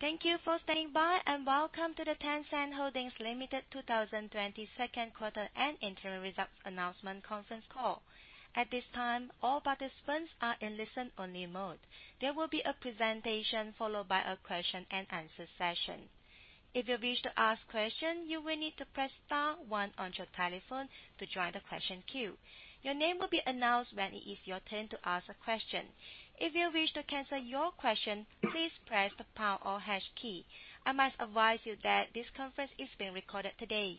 Thank you for standing by, and welcome to the Tencent Holdings Limited 2020 second quarter and interim results announcement conference call. At this time, all participants are in listen-only mode. There will be a presentation, followed by a question and answer session. If you wish to ask questions, you will need to press star one on your telephone to join the question queue. Your name will be announced when it is your turn to ask a question. If you wish to cancel your question, please press the pound or hash key. I must advise you that this conference is being recorded today.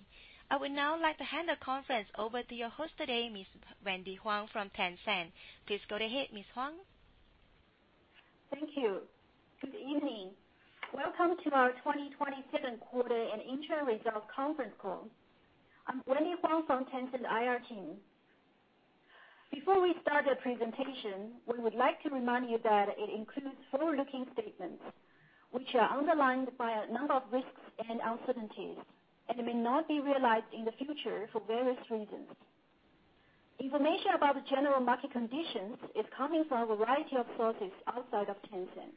I would now like to hand the conference over to your host today, Ms. Wendy Huang from Tencent. Please go ahead, Ms. Huang. Thank you. Good evening. Welcome to our 2020 second quarter and interim results conference call. I am Wendy Huang from Tencent IR team. Before we start the presentation, we would like to remind you that it includes forward-looking statements, which are underlined by a number of risks and uncertainties, and may not be realized in the future for various reasons. Information about the general market conditions is coming from a variety of sources outside of Tencent.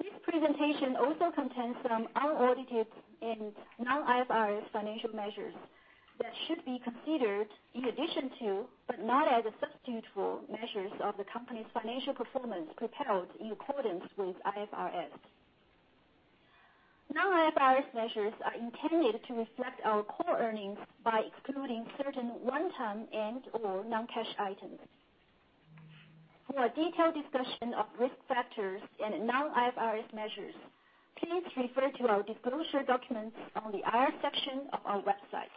This presentation also contains some unaudited and non-IFRS financial measures that should be considered in addition to, but not as a substitute for, measures of the company's financial performance prepared in accordance with IFRS. Non-IFRS measures are intended to reflect our core earnings by excluding certain one-time and/or non-cash items. For a detailed discussion of risk factors and non-IFRS measures, please refer to our disclosure documents on the IR section of our website.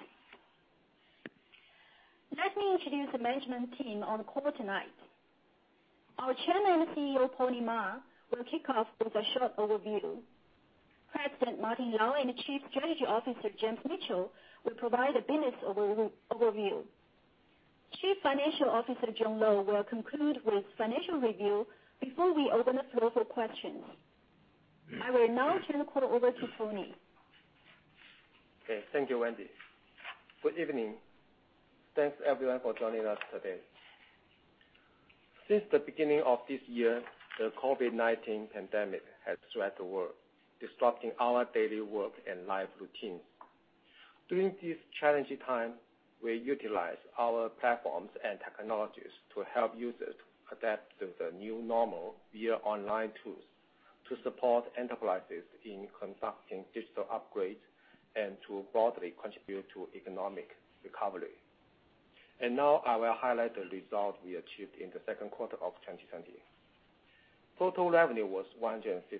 Let me introduce the management team on call tonight. Our Chairman and CEO, Pony Ma, will kick off with a short overview. President Martin Lau and Chief Strategy Officer James Mitchell will provide a business overview. Chief Financial Officer John Lo will conclude with financial review before we open the floor for questions. I will now turn the call over to Pony. Okay. Thank you, Wendy. Good evening. Thanks, everyone, for joining us today. Since the beginning of this year, the COVID-19 pandemic has struck the world, disrupting our daily work and life routines. During this challenging time, we utilized our platforms and technologies to help users adapt to the new normal via online tools to support enterprises in conducting digital upgrades and to broadly contribute to economic recovery. Now I will highlight the result we achieved in the second quarter of 2020. Total revenue was 115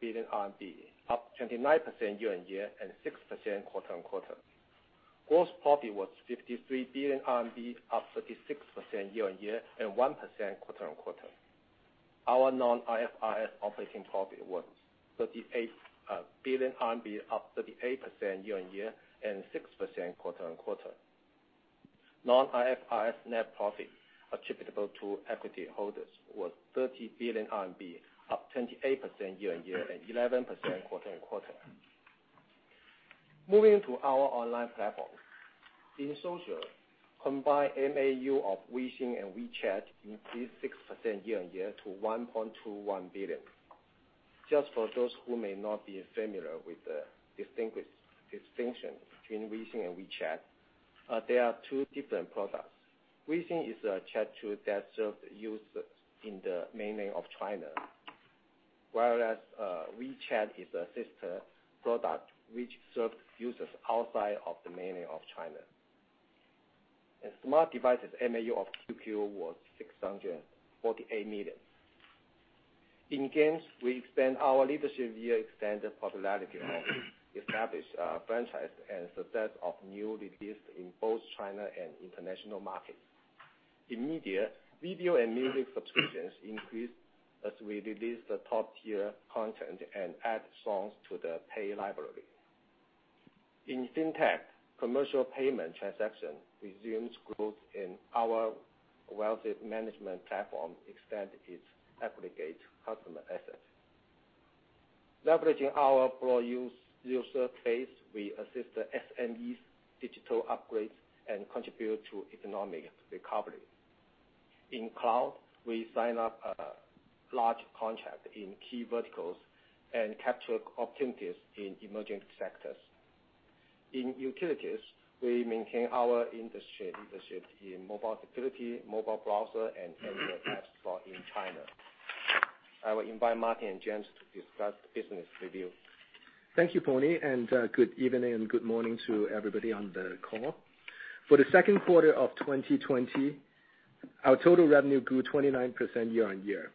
billion RMB, up 29% year-on-year and 6% quarter-on-quarter. Gross profit was 53 billion RMB, up 36% year-on-year and 1% quarter-on-quarter. Our non-IFRS operating profit was 38 billion RMB, up 38% year-on-year and 6% quarter-on-quarter. Non-IFRS net profit attributable to equity holders was 30 billion RMB, up 28% year-on-year and 11% quarter-on-quarter. Moving to our online platform. In social, combined MAU of Weixin and WeChat increased 6% year-on-year to 1.21 billion. Just for those who may not be familiar with the distinction between Weixin and WeChat, they are two different products. Weixin is a chat tool that serves users in the mainland of China, whereas WeChat is a sister product which serves users outside of the mainland of China. In smart devices, MAU of QQ was 648 million. In games, we expand our leadership via expanded popularity of established franchise and success of new releases in both China and international markets. In media, video and music subscriptions increased as we released the top-tier content and add songs to the paid library. In FinTech, commercial payment transaction resumes growth and our wealth management platform extend its aggregate customer assets. Leveraging our broad user base, we assist the SMEs digital upgrades and contribute to economic recovery. In cloud, we sign up a large contract in key verticals and capture opportunities in emerging sectors. In utilities, we maintain our industry leadership in mobile security, mobile browser, and Android apps store in China. I will invite Martin and James to discuss business review. Thank you, Pony. Good evening, good morning to everybody on the call. For the second quarter of 2020, our total revenue grew 29% year-on-year.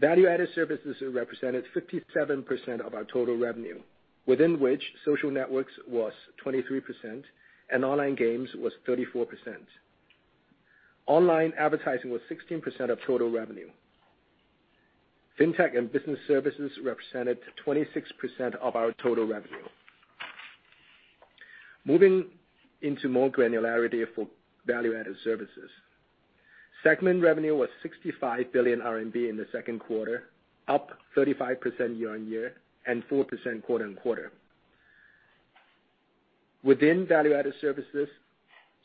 Value-added Services represented 57% of our total revenue, within which social networks was 23% and online games was 34%. Online advertising was 16% of total revenue. FinTech and Business Services represented 26% of our total revenue. Moving into more granularity for Value-added Services. Segment revenue was 65 billion RMB in the second quarter, up 35% year-on-year and 4% quarter-on-quarter. Within Value-added Services,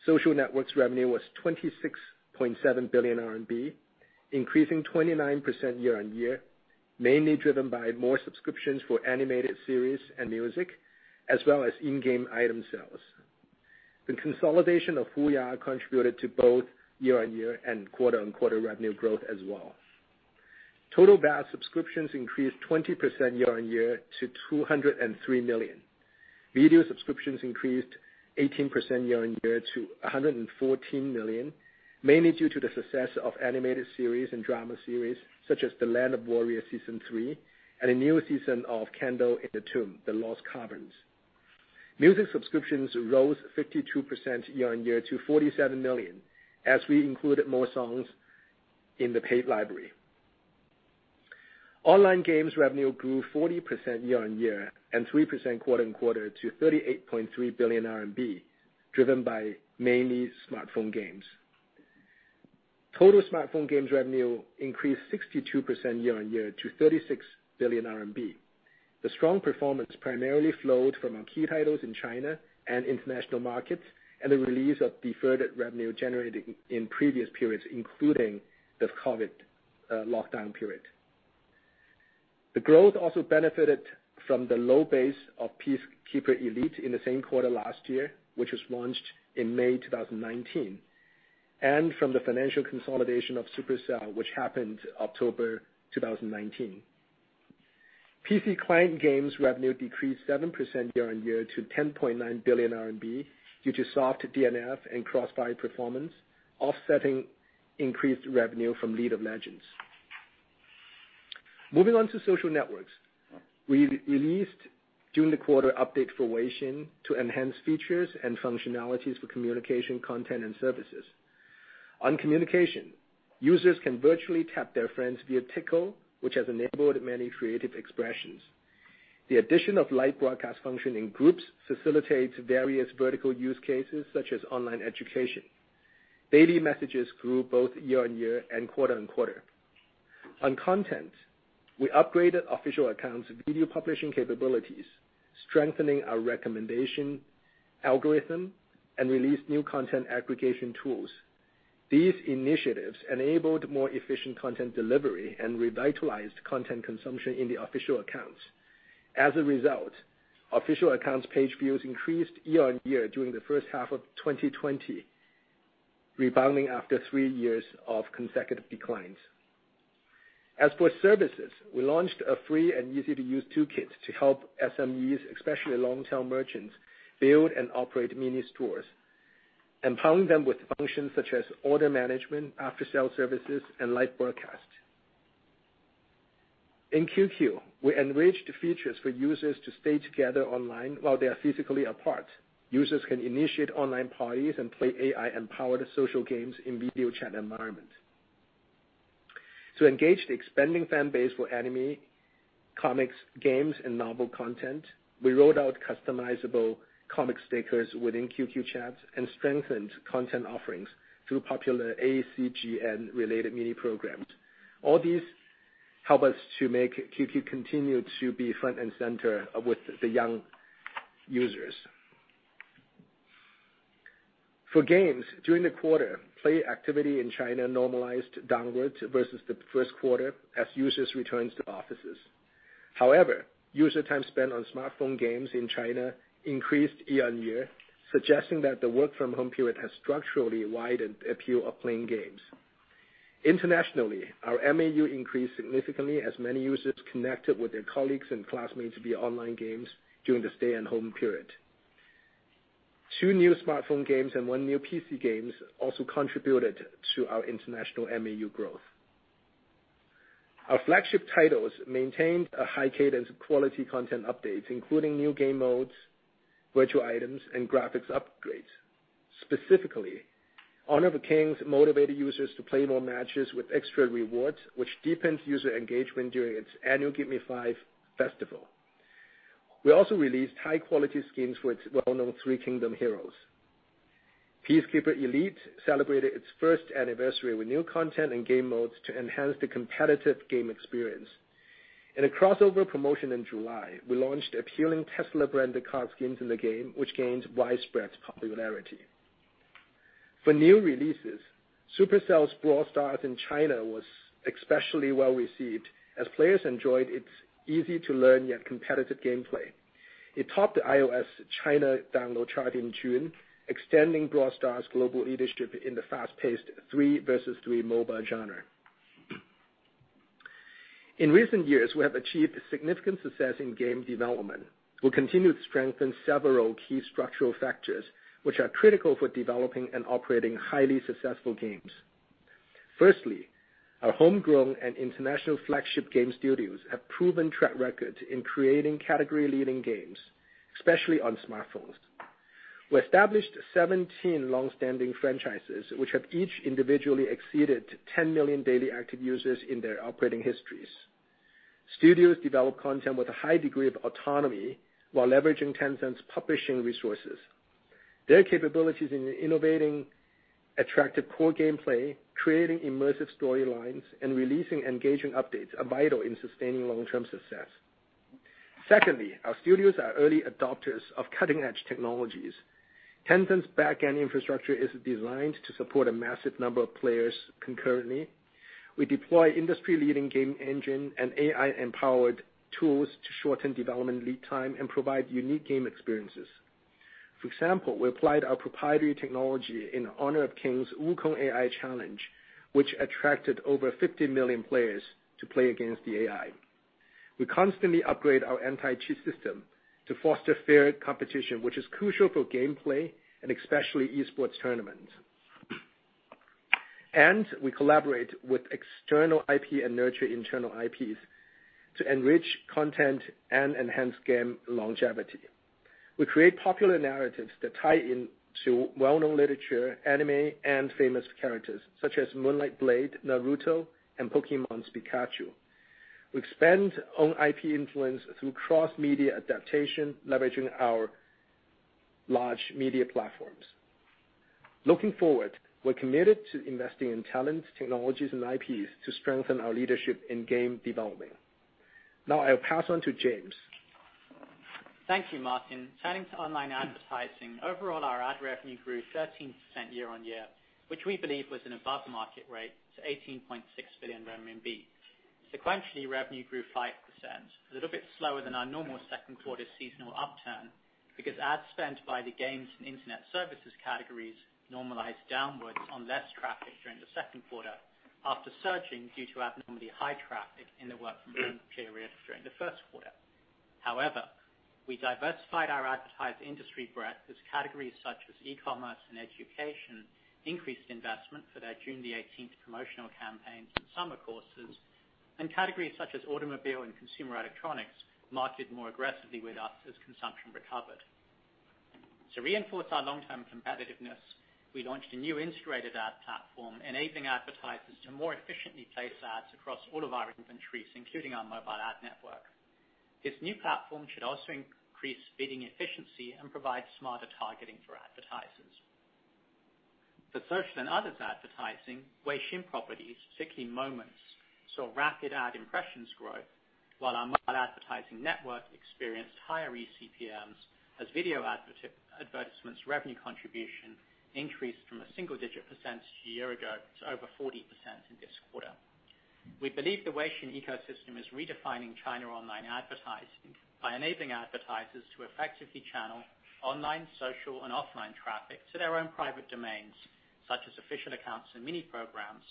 social networks revenue was 26.7 billion RMB, increasing 29% year-on-year, mainly driven by more subscriptions for animated series and music, as well as in-game item sales. The consolidation of HUYA contributed to both year-on-year and quarter-on-quarter revenue growth as well. Total VAS subscriptions increased 20% year-on-year to 203 million. Video subscriptions increased 18% year-on-year to 114 million, mainly due to the success of animated series and drama series such as "The Land of Warrior Season 3" and a new season of "Candle in the Tomb: The Lost Caverns." Music subscriptions rose 52% year-on-year to 47 million, as we included more songs in the paid library. Online games revenue grew 40% year-on-year and 3% quarter-on-quarter to 38.3 billion RMB, driven by mainly smartphone games. Total smartphone games revenue increased 62% year-on-year to 36 billion RMB. The strong performance primarily flowed from our key titles in China and international markets, and the release of deferred revenue generated in previous periods, including the COVID lockdown period. The growth also benefited from the low base of Peacekeeper Elite in the same quarter last year, which was launched in May 2019, and from the financial consolidation of Supercell, which happened October 2019. PC client games revenue decreased 7% year-on-year to 10.9 billion RMB due to soft DnF and CrossFire performance, offsetting increased revenue from League of Legends. Moving on to social networks. We released during the quarter update for Weixin to enhance features and functionalities for communication, content, and services. On communication, users can virtually tap their friends via Tickle, which has enabled many creative expressions. The addition of live broadcast function in groups facilitates various vertical use cases such as online education. Daily messages grew both year-on-year and quarter-on-quarter. On content, we upgraded Official Accounts video publishing capabilities, strengthening our recommendation algorithm, and released new content aggregation tools. These initiatives enabled more efficient content delivery and revitalized content consumption in the Official Accounts. Official Accounts page views increased year-on-year during the first half of 2020, rebounding after three years of consecutive declines. As for services, we launched a free and easy-to-use toolkit to help SMEs, especially long-term merchants, build and operate Mini Stores, empowering them with functions such as order management, after-sale services, and live broadcast. In QQ, we enriched features for users to stay together online while they are physically apart. Users can initiate online parties and play AI-empowered social games in video chat environment. To engage the expanding fan base for anime, comics, games, and novel content, we rolled out customizable comic stickers within QQ chats and strengthened content offerings through popular ACGN-related Mini Programs. All these help us to make QQ continue to be front and center with the young users. For games, during the quarter, play activity in China normalized downwards versus the first quarter as users returns to offices. However, user time spent on smartphone games in China increased year-on-year, suggesting that the work from home period has structurally widened appeal of playing games. Internationally, our MAU increased significantly as many users connected with their colleagues and classmates via online games during the stay-at-home period. Two new smartphone games and one new PC games also contributed to our international MAU growth. Our flagship titles maintained a high cadence of quality content updates, including new game modes, virtual items, and graphics upgrades. Specifically, Honor of Kings motivated users to play more matches with extra rewards, which deepened user engagement during its annual Give Me Five festival. We also released high-quality skins for its well-known Three Kingdoms heroes. Peacekeeper Elite celebrated its first anniversary with new content and game modes to enhance the competitive game experience. In a crossover promotion in July, we launched appealing Tesla brand car skins in the game, which gained widespread popularity. For new releases, Supercell's Brawl Stars in China was especially well-received, as players enjoyed its easy-to-learn yet competitive gameplay. It topped the iOS China download chart in June, extending Brawl Stars' global leadership in the fast-paced three versus three mobile genre. In recent years, we have achieved significant success in game development. We continue to strengthen several key structural factors, which are critical for developing and operating highly successful games. Firstly, our homegrown and international flagship game studios have proven track records in creating category-leading games, especially on smartphones. We established 17 longstanding franchises, which have each individually exceeded 10 million daily active users in their operating histories. Studios develop content with a high degree of autonomy while leveraging Tencent's publishing resources. Their capabilities in innovating attractive core gameplay, creating immersive storylines, and releasing engaging updates are vital in sustaining long-term success. Secondly, our studios are early adopters of cutting-edge technologies. Tencent's backend infrastructure is designed to support a massive number of players concurrently. We deploy industry-leading game engine and AI-empowered tools to shorten development lead time and provide unique game experiences. For example, we applied our proprietary technology in Honor of Kings' Wukong AI challenge, which attracted over 50 million players to play against the AI. We constantly upgrade our anti-cheat system to foster fair competition, which is crucial for gameplay and especially esports tournaments. We collaborate with external IP and nurture internal IPs to enrich content and enhance game longevity. We create popular narratives that tie into well-known literature, anime, and famous characters, such as Moonlight Blade, Naruto, and Pokémon's Pikachu. We expand own IP influence through cross-media adaptation, leveraging our large media platforms. Looking forward, we're committed to investing in talents, technologies, and IPs to strengthen our leadership in game development. Now I'll pass on to James. Thank you, Martin. Turning to online advertising. Overall, our ad revenue grew 13% year-on-year, which we believe was an above-market rate to 18.6 billion RMB. Sequentially, revenue grew 5%, a little bit slower than our normal second quarter seasonal upturn, because ad spend by the games and internet services categories normalized downwards on less traffic during the second quarter, after surging due to abnormally high traffic in the work-from-home period during the first quarter. However, we diversified our advertised industry breadth as categories such as e-commerce and education increased investment for their June the 18th promotional campaigns and summer courses, and categories such as automobile and consumer electronics marketed more aggressively with us as consumption recovered. To reinforce our long-term competitiveness, we launched a new integrated ad platform enabling advertisers to more efficiently place ads across all of our inventories, including our mobile ad network. This new platform should also increase bidding efficiency and provide smarter targeting for advertisers. For social and others advertising, Weixin properties, particularly Moments, saw rapid ad impressions growth, while our mobile advertising network experienced higher eCPMs as video advertisements revenue contribution increased from a single-digit percent a year ago to over 40% in this quarter. We believe the Weixin ecosystem is redefining China online advertising by enabling advertisers to effectively channel online, social, and offline traffic to their own private domains, such as Official Accounts and Mini Programs,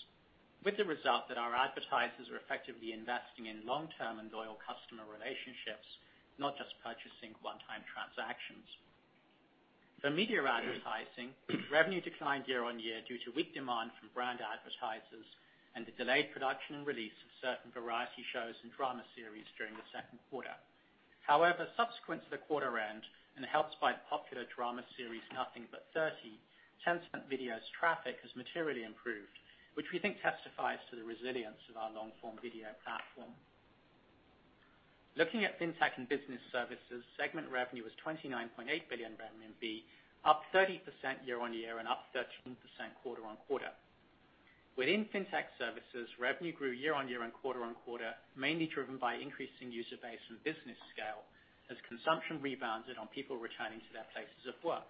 with the result that our advertisers are effectively investing in long-term and loyal customer relationships, not just purchasing one-time transactions. For media advertising, revenue declined year-on-year due to weak demand from brand advertisers and the delayed production and release of certain variety shows and drama series during the second quarter. However, subsequent to the quarter end, and helped by the popular drama series, "Nothing But Thirty," Tencent Video's traffic has materially improved, which we think testifies to the resilience of our long-form video platform. Looking at FinTech and Business Services, segment revenue was 29.8 billion renminbi, up 30% year-on-year and up 13% quarter-on-quarter. Within FinTech Services, revenue grew year-on-year and quarter-on-quarter, mainly driven by increase in user base and business scale as consumption rebounded on people returning to their places of work.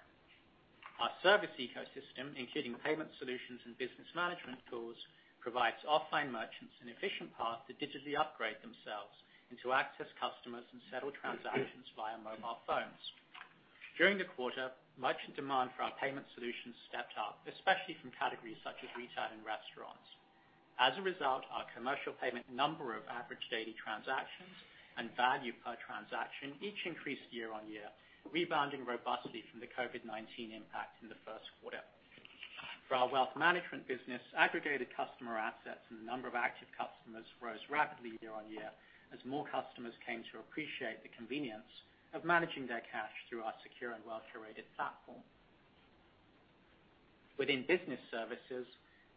Our service ecosystem, including payment solutions and business management tools, provides offline merchants an efficient path to digitally upgrade themselves and to access customers and settle transactions via mobile phones. During the quarter, merchant demand for our payment solutions stepped up, especially from categories such as retail and restaurants. As a result, our commercial payment number of average daily transactions and value per transaction each increased year-on-year, rebounding robustly from the COVID-19 impact in the first quarter. For our Wealth Management business, aggregated customer assets and the number of active customers rose rapidly year-on-year as more customers came to appreciate the convenience of managing their cash through our secure and well-curated platform. Within Business Services,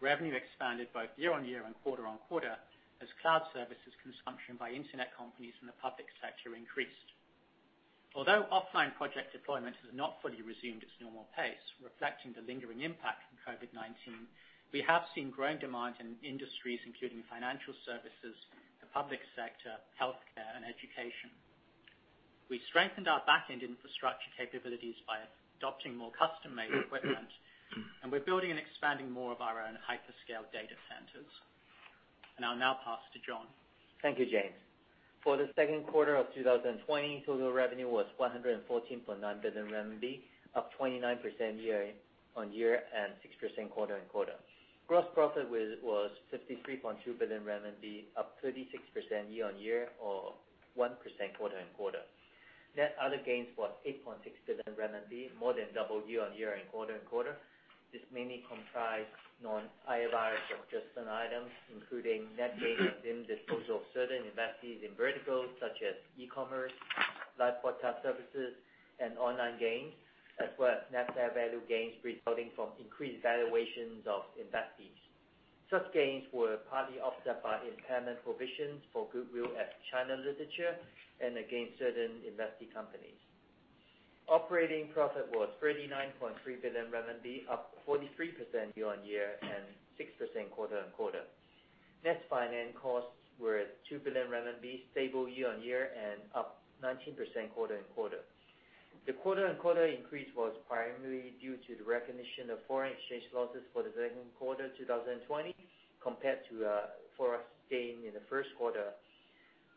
revenue expanded both year-on-year and quarter-on-quarter as cloud services consumption by internet companies in the public sector increased. Although offline project deployment has not fully resumed its normal pace, reflecting the lingering impact from COVID-19, we have seen growing demand in industries including financial services, the public sector, healthcare, and education. We strengthened our backend infrastructure capabilities by adopting more custom-made equipment, and we're building and expanding more of our own hyperscale data centers. I'll now pass to John. Thank you, James. For the second quarter of 2020, total revenue was 114.9 billion RMB, up 29% year-on-year, and 6% quarter-on-quarter. Gross profit was 53.2 billion RMB, up 36% year-on-year, or 1% quarter-on-quarter. Net other gains was 8.6 billion RMB, more than double year-on-year and quarter-on-quarter. This mainly comprised non-IFRS or adjusted items, including net gains and disposal of certain investees in verticals such as e-commerce, live broadcast services, and online games, as well as net fair value gains resulting from increased valuations of investees. Such gains were partly offset by impairment provisions for goodwill at China Literature and against certain investee companies. Operating profit was 39.3 billion RMB, up 43% year-on-year and 6% quarter-on-quarter. Net finance costs were 2 billion RMB, stable year-on-year, and up 19% quarter-on-quarter. The quarter-on-quarter increase was primarily due to the recognition of foreign exchange losses for the second quarter 2020 compared to a foreign exchange gain in the first quarter,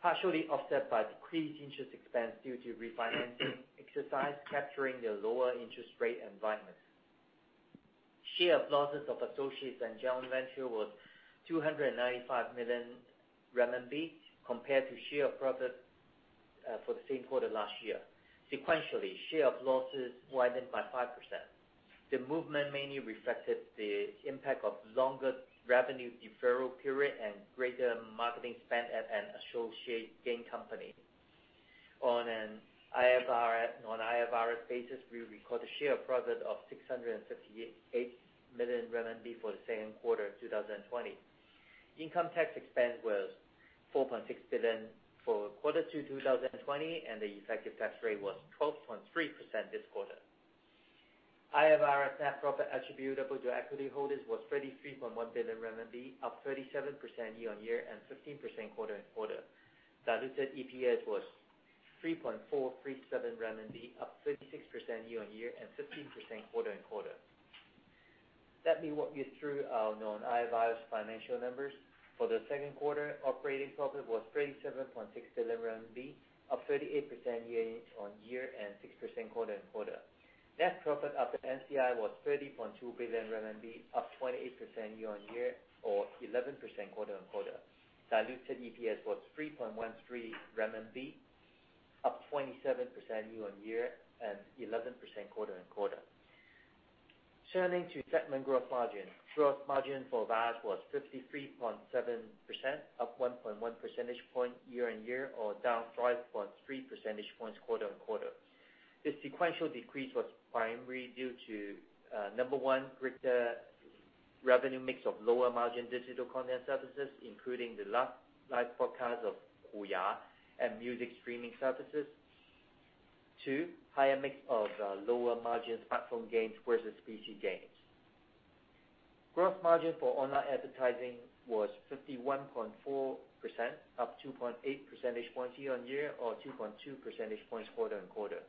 partially offset by decreased interest expense due to refinancing exercise, capturing the lower interest rate environment. Share of losses of associates and joint venture was 295 million RMB compared to share of profit for the same quarter last year. Sequentially, share of losses widened by 5%. The movement mainly reflected the impact of longer revenue deferral period and greater marketing spend at an associate game company. On a non-IFRS basis, we record a share of profit of 658 million RMB for the second quarter of 2020. Income tax expense was 4.6 billion for quarter two 2020, and the effective tax rate was 12.3% this quarter. IFRS net profit attributable to equity holders was 33.1 billion RMB, up 37% year-on-year and 15% quarter-on-quarter. Diluted EPS was 3.437 renminbi, up 36% year-on-year and 15% quarter-on-quarter. Let me walk you through our non-IFRS financial numbers. For the second quarter, operating profit was 37.6 billion RMB, up 38% year-on-year and 6% quarter-on-quarter. Net profit after NCI was 30.2 billion RMB, up 28% year-on-year or 11% quarter-on-quarter. Diluted EPS was RMB 3.13, up 27% year-on-year and 11% quarter-on-quarter. Turning to segment growth margin. Growth margin for VAS was 53.7%, up 1.1 percentage point year-on-year or down 5.3 percentage points quarter-on-quarter. This sequential decrease was primarily due to, number one, greater revenue mix of lower margin digital content services, including the live broadcast of HUYA and music streaming services. Two, higher mix of lower margin smartphone games versus PC games. Gross margin for online advertising was 51.4%, up 2.8 percentage points year-on-year, or 2.2 percentage points quarter-on-quarter.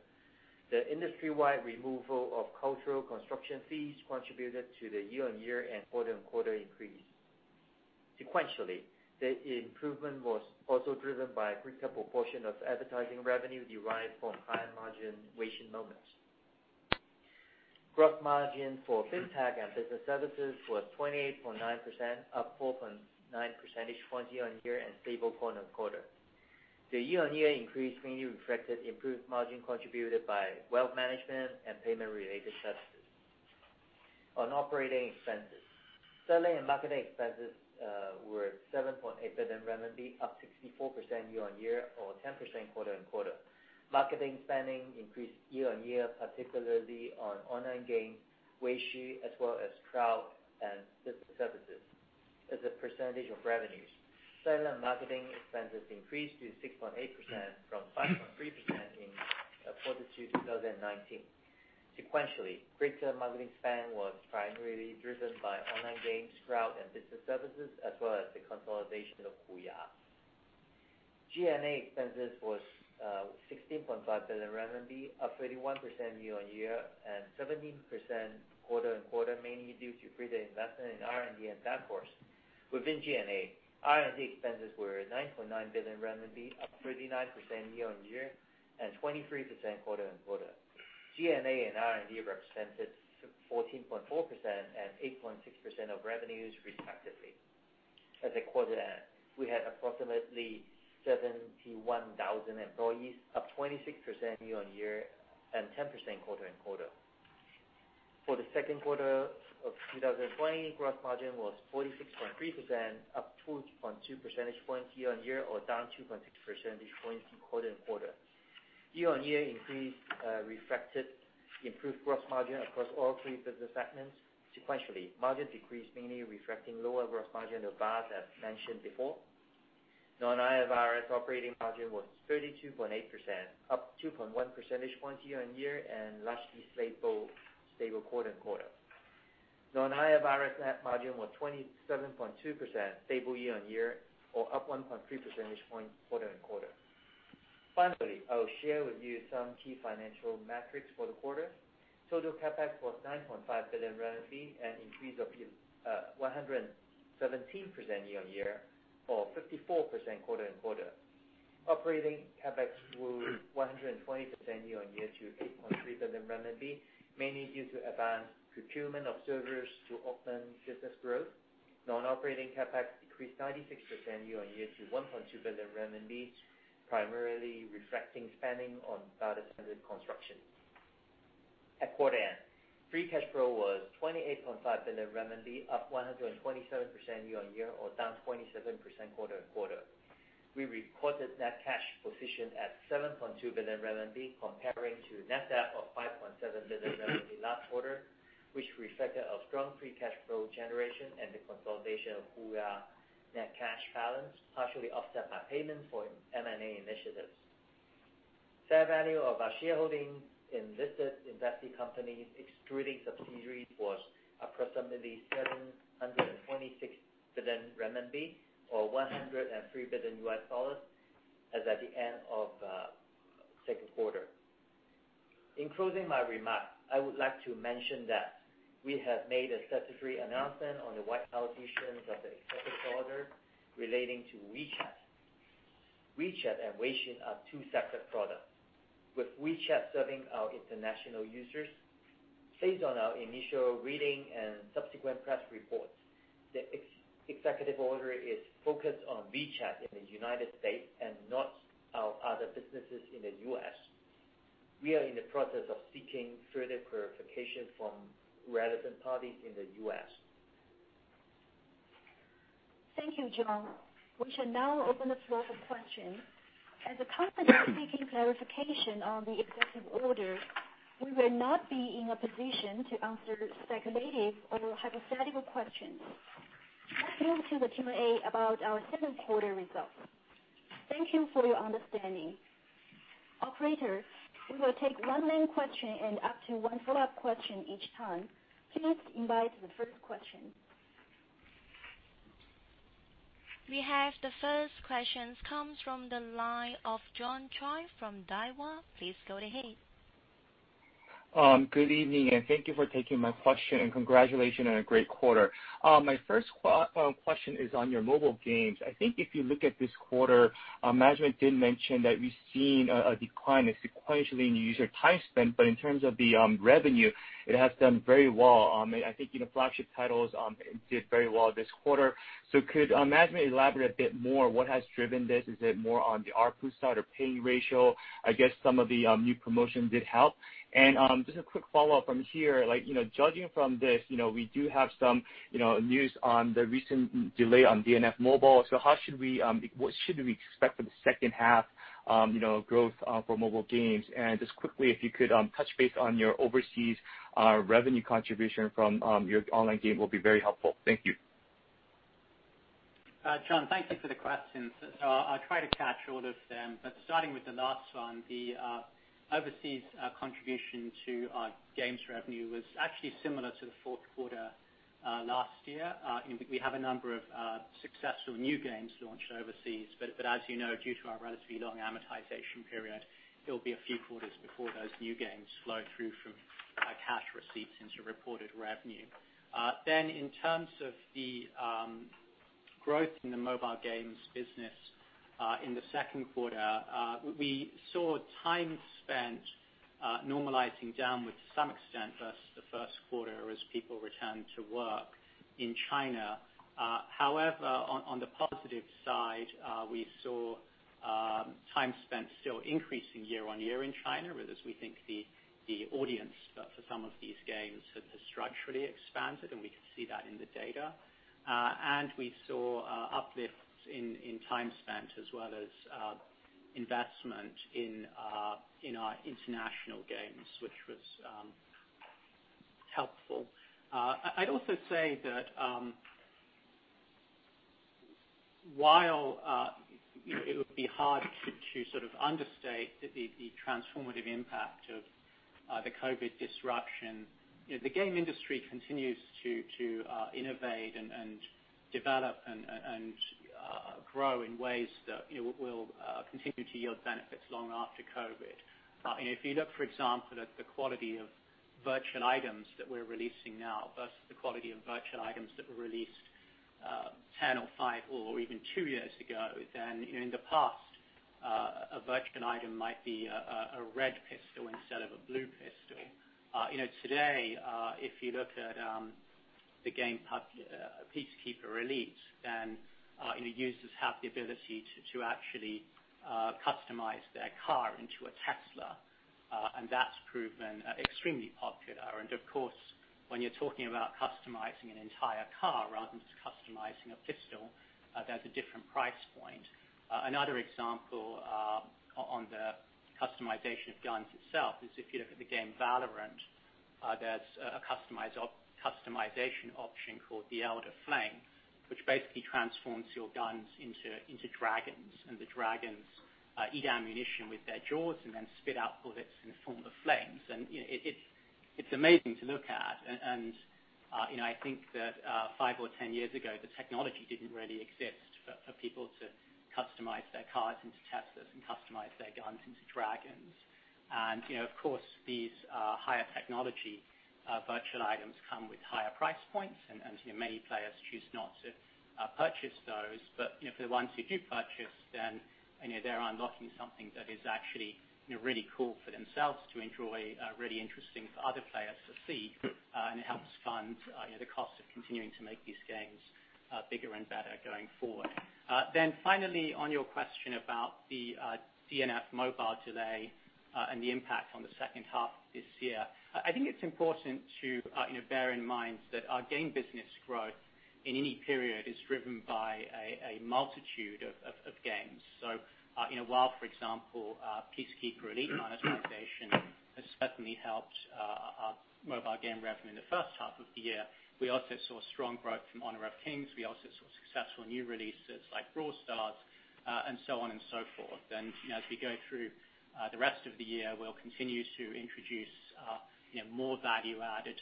The industry-wide removal of cultural construction fees contributed to the year-on-year and quarter-on-quarter increase. Sequentially, the improvement was also driven by a greater proportion of advertising revenue derived from higher margin Moments. Gross margin for FinTech and Business Services was 28.9%, up 4.9 percentage points year-on-year and stable quarter-on-quarter. The year-on-year increase mainly reflected improved margin contributed by wealth management and payment-related services. On operating expenses, selling and marketing expenses were 7.8 billion renminbi, up 64% year-on-year or 10% quarter-on-quarter. Marketing spending increased year-on-year, particularly on online games, Weixin, as well as Cloud and Business Services. As a percentage of revenues, selling and marketing expenses increased to 6.8% from 5.3% in quarter two 2019. Sequentially, greater marketing spend was primarily driven by online games, Cloud and Business Services, as well as the consolidation of HUYA. G&A expenses was 16.5 billion RMB, up 31% year-on-year and 17% quarter-on-quarter, mainly due to greater investment in R&D and workforce. Within G&A, R&D expenses were 9.9 billion RMB, up 39% year-on-year and 23% quarter-on-quarter. G&A and R&D represented 14.4% and 8.6% of revenues respectively. As a quarter end, we had approximately 71,000 employees, up 26% year-on-year and 10% quarter-on-quarter. For the second quarter of 2020, gross margin was 46.3%, up 2.2 percentage points year-on-year or down 2.6 percentage points quarter-on-quarter. Year-on-year increase reflected improved gross margin across all three business segments. Sequentially, margin decreased mainly reflecting lower gross margin of VAS as mentioned before. Non-IFRS operating margin was 32.8%, up 2.1 percentage points year-on-year and largely stable quarter-on-quarter. Non-IFRS net margin was 27.2%, stable year-on-year or up 1.3 percentage points quarter-on-quarter. Finally, I will share with you some key financial metrics for the quarter. Total CapEx was RMB 9.5 billion, an increase of 117% year-on-year or 54% quarter-on-quarter. Operating CapEx grew 120% year-on-year to 8.3 billion, mainly due to advanced procurement of servers to support business growth. Non-operating CapEx decreased 96% year-on-year to 1.2 billion renminbi, primarily reflecting spending on data center construction. At quarter end, free cash flow was 28.5 billion renminbi, up 127% year-on-year or down 27% quarter-on-quarter. We recorded net cash position at 7.2 billion RMB comparing to net debt of 5.7 billion RMB last quarter, which reflected a strong free cash flow generation and the consolidation of HUYA net cash balance, partially offset by payment for M&A initiatives. Fair value of our shareholding in listed investee companies, excluding subsidiaries, was approximately 726 billion renminbi or $103 billion as at the end of second quarter. In closing my remarks, I would like to mention that we have made a statutory announcement on the White House issues of the executive order relating to WeChat. WeChat and Weixin are two separate products, with WeChat serving our international users. Based on our initial reading and subsequent press reports, the executive order is focused on WeChat in the United States and not our other businesses in the U.S. We are in the process of seeking further clarification from relevant parties in the U.S. Thank you, John. We shall now open the floor for questions. As the company is seeking clarification on the executive order, we will not be in a position to answer speculative or hypothetical questions. Let's move to the Q&A about our second quarter results. Thank you for your understanding. Operator, we will take one main question and up to one follow-up question each time. Please invite the first question. We have the first question, comes from the line of John Choi from Daiwa. Please go ahead. Good evening, and thank you for taking my question, and congratulations on a great quarter. My first question is on your mobile games. I think if you look at this quarter, management did mention that we've seen a decline sequentially in user time spent, but in terms of the revenue, it has done very well. I think flagship titles did very well this quarter. Could management elaborate a bit more what has driven this? Is it more on the ARPU side or pay ratio? I guess some of the new promotions did help. Just a quick follow-up from here, judging from this, we do have some news on the recent delay on DnF mobile. What should we expect for the second half growth for mobile games? Just quickly, if you could touch base on your overseas revenue contribution from your online game will be very helpful. Thank you. John, thank you for the questions. I'll try to catch all of them. Starting with the last one, the overseas contribution to our games revenue was actually similar to the fourth quarter last year. We have a number of successful new games launched overseas, but as you know, due to our relatively long amortization period, it'll be a few quarters before those new games flow through from our cash receipts into reported revenue. In terms of the growth in the Mobile Games business in the second quarter, we saw time spent normalizing down with some extent versus the first quarter as people returned to work in China. However, on the positive side, we saw time spent still increasing year-on-year in China, whereas we think the audience for some of these games has structurally expanded, and we can see that in the data. We saw uplifts in time spent as well as investment in our international games, which was helpful. I also say that while it would be hard to understate the transformative impact of the COVID disruption, the game industry continues to innovate and develop and grow in ways that will continue to yield benefits long after COVID. If you look, for example, at the quality of virtual items that we're releasing now versus the quality of virtual items that were released 10 or five or even two years ago, then in the past, a virtual item might be a red pistol instead of a blue pistol. Today, if you look at the game Peacekeeper Elite, then users have the ability to actually customize their car into a Tesla, and that's proven extremely popular. Of course, when you're talking about customizing an entire car rather than just customizing a pistol, that's a different price point. Another example on the customization of guns itself is if you look at the game Valorant, there's a customization option called the Elderflame, which basically transforms your guns into dragons, and the dragons eat ammunition with their jaws and then spit out bullets in the form of flames. It's amazing to look at. I think that five or 10 years ago, the technology didn't really exist for people to customize their cars into Teslas and customize their guns into dragons. Of course, these higher technology virtual items come with higher price points and many players choose not to purchase those. For the ones who do purchase, they're unlocking something that is actually really cool for themselves to enjoy, really interesting for other players to see, and it helps fund the cost of continuing to make these games bigger and better going forward. Finally, on your question about the DnF mobile delay and the impact on the second half this year, I think it's important to bear in mind that our game business growth. In any period is driven by a multitude of games. While, for example, Peacekeeper Elite monetization has certainly helped our mobile game revenue in the first half of the year, we also saw strong growth from Honor of Kings. We also saw successful new releases like Brawl Stars, and so on and so forth. As we go through the rest of the year, we'll continue to introduce more value-added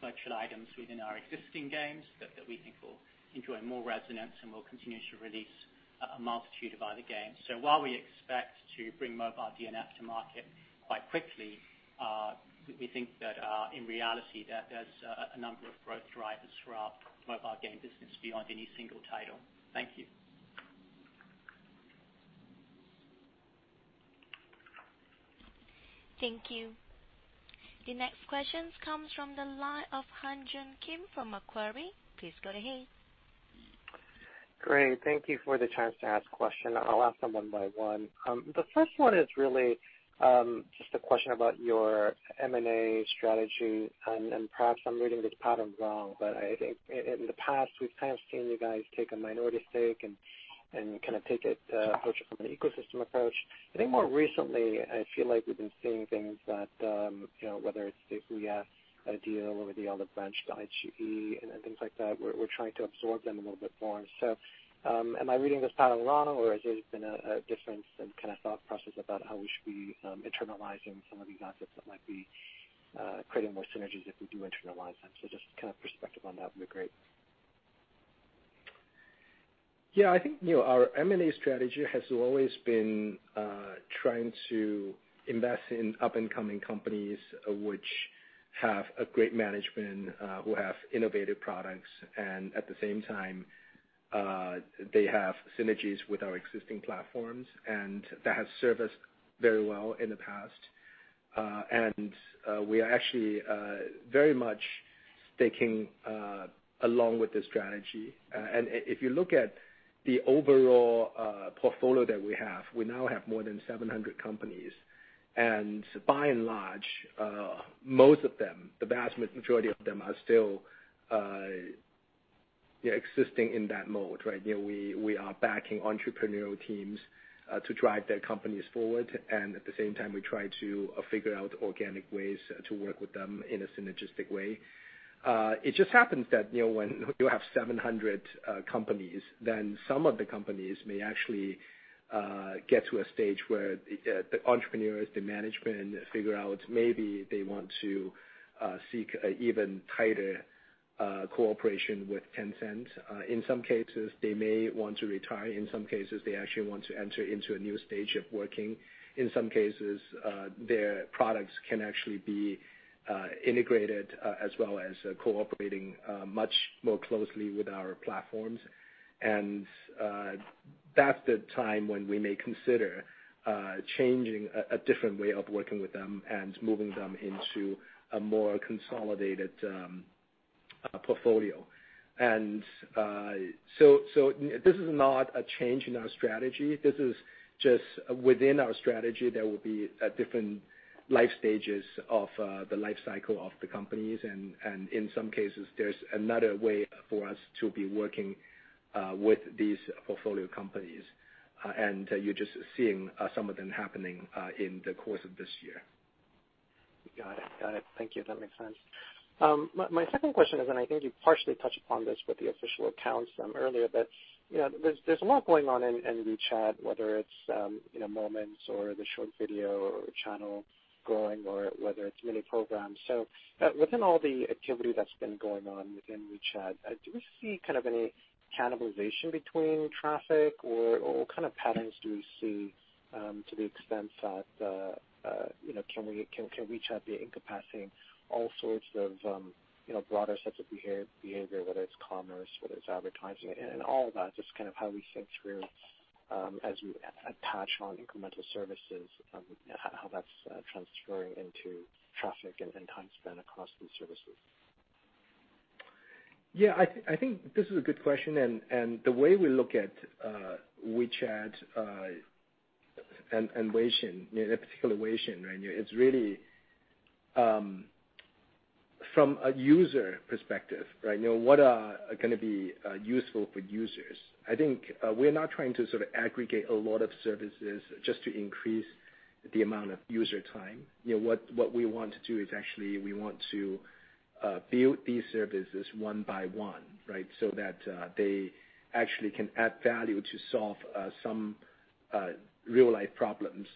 virtual items within our existing games that we think will enjoy more resonance, and we'll continue to release a multitude of other games. While we expect to bring mobile DnF to market quite quickly, we think that in reality, there's a number of growth drivers for our Mobile Game business beyond any single title. Thank you. Thank you. The next question comes from the line of Han Joon Kim from Macquarie. Please go ahead. Great. Thank you for the chance to ask a question. I'll ask them one by one. The first one is really just a question about your M&A strategy. Perhaps I'm reading this pattern wrong, but I think in the past, we've kind of seen you guys take a minority stake and kind of take an approach from an ecosystem approach. I think more recently, I feel like we've been seeing things that, whether it's the HUYA deal or the other branch, the [HE] and things like that, we're trying to absorb them a little bit more. Am I reading this pattern wrong, or has there been a difference in kind of thought process about how we should be internalizing some of these assets that might be creating more synergies if we do internalize them? Just kind of perspective on that would be great. Yeah, I think our M&A strategy has always been trying to invest in up-and-coming companies which have a great management who have innovative products and at the same time, they have synergies with our existing platforms, that has served us very well in the past. We are actually very much sticking along with this strategy. If you look at the overall portfolio that we have, we now have more than 700 companies. By and large, most of them, the vast majority of them are still existing in that mode, right? We are backing entrepreneurial teams to drive their companies forward, and at the same time, we try to figure out organic ways to work with them in a synergistic way. It just happens that when you have 700 companies, then some of the companies may actually get to a stage where the entrepreneurs, the management figure out maybe they want to seek even tighter cooperation with Tencent. In some cases, they may want to retire. In some cases, they actually want to enter into a new stage of working. In some cases, their products can actually be integrated as well as cooperating much more closely with our platforms. That's the time when we may consider changing a different way of working with them and moving them into a more consolidated portfolio. This is not a change in our strategy. This is just within our strategy, there will be different life stages of the life cycle of the companies, and in some cases, there's another way for us to be working with these portfolio companies. You're just seeing some of them happening in the course of this year. Got it. Thank you. That makes sense. My second question is, and I think you partially touched upon this with the Official Accounts from earlier, but there's a lot going on in WeChat, whether it's Moments or the short video channel growing, or whether it's Mini Programs. Within all the activity that's been going on within WeChat, do we see kind of any cannibalization between traffic, or what kind of patterns do we see to the extent that can WeChat be encompassing all sorts of broader sets of behavior, whether it's commerce, whether it's advertising and all that? Just kind of how we think through as we attach on incremental services, how that's transferring into traffic and time spent across these services. I think this is a good question. The way we look at WeChat and Weixin, in particular Weixin, right, it's really from a user perspective, right? What are going to be useful for users? I think we're not trying to sort of aggregate a lot of services just to increase the amount of user time. What we want to do is actually we want to build these services one by one, right? That they actually can add value to solve some real-life problems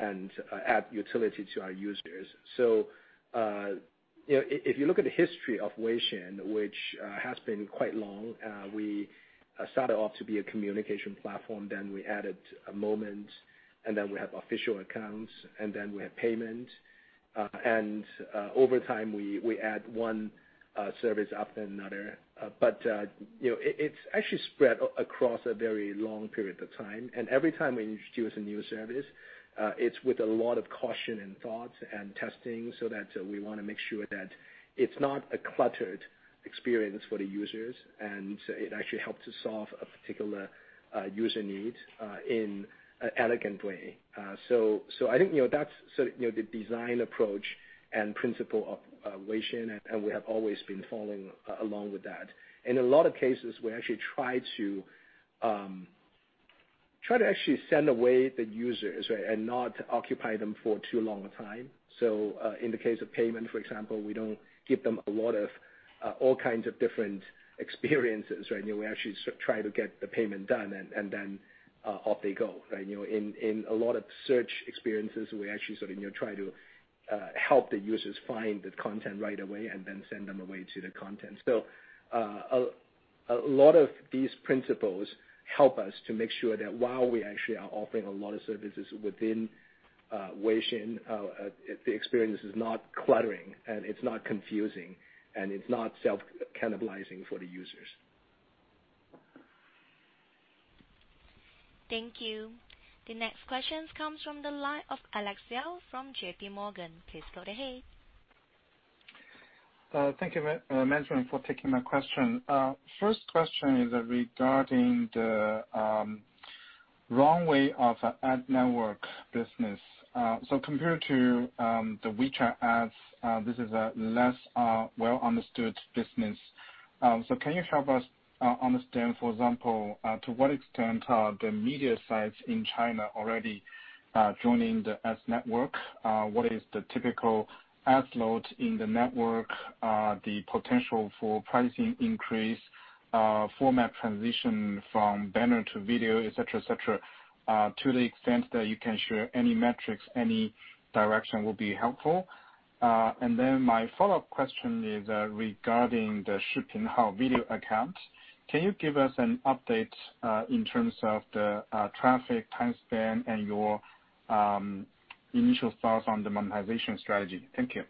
and add utility to our users. If you look at the history of Weixin, which has been quite long, we started off to be a communication platform, then we added Moments, and then we have Official Accounts, and then we have payment. Over time, we add one service after another. It's actually spread across a very long period of time. Every time we introduce a new service, it's with a lot of caution and thoughts and testing so that we want to make sure that it's not a cluttered experience for the users, and it actually helps to solve a particular user need in an elegant way. I think that's sort of the design approach and principle of Weixin, and we have always been following along with that. In a lot of cases, we actually try to actually send away the users, right, and not occupy them for too long a time. In the case of payment, for example, we don't give them all kinds of different experiences, right? We actually try to get the payment done and then off they go. In a lot of search experiences, we actually sort of try to help the users find the content right away and then send them away to the content. A lot of these principles help us to make sure that while we actually are offering a lot of services within Weixin, the experience is not cluttering and it's not confusing, and it's not self-cannibalizing for the users. Thank you. The next question comes from the line of Alex Yao from JPMorgan. Please go ahead. Thank you, management, for taking my question. First question is regarding the runway of ad network business. Compared to the WeChat ads, this is a less well-understood business. Can you help us understand, for example, to what extent are the media sites in China already joining the ads network? What is the typical ads load in the network, the potential for pricing increase, format transition from banner to video, et cetera, to the extent that you can share any metrics, any direction will be helpful. My follow-up question is regarding the Shipinhao Video Accounts. Can you give us an update in terms of the traffic time span and your initial thoughts on the monetization strategy? Thank you.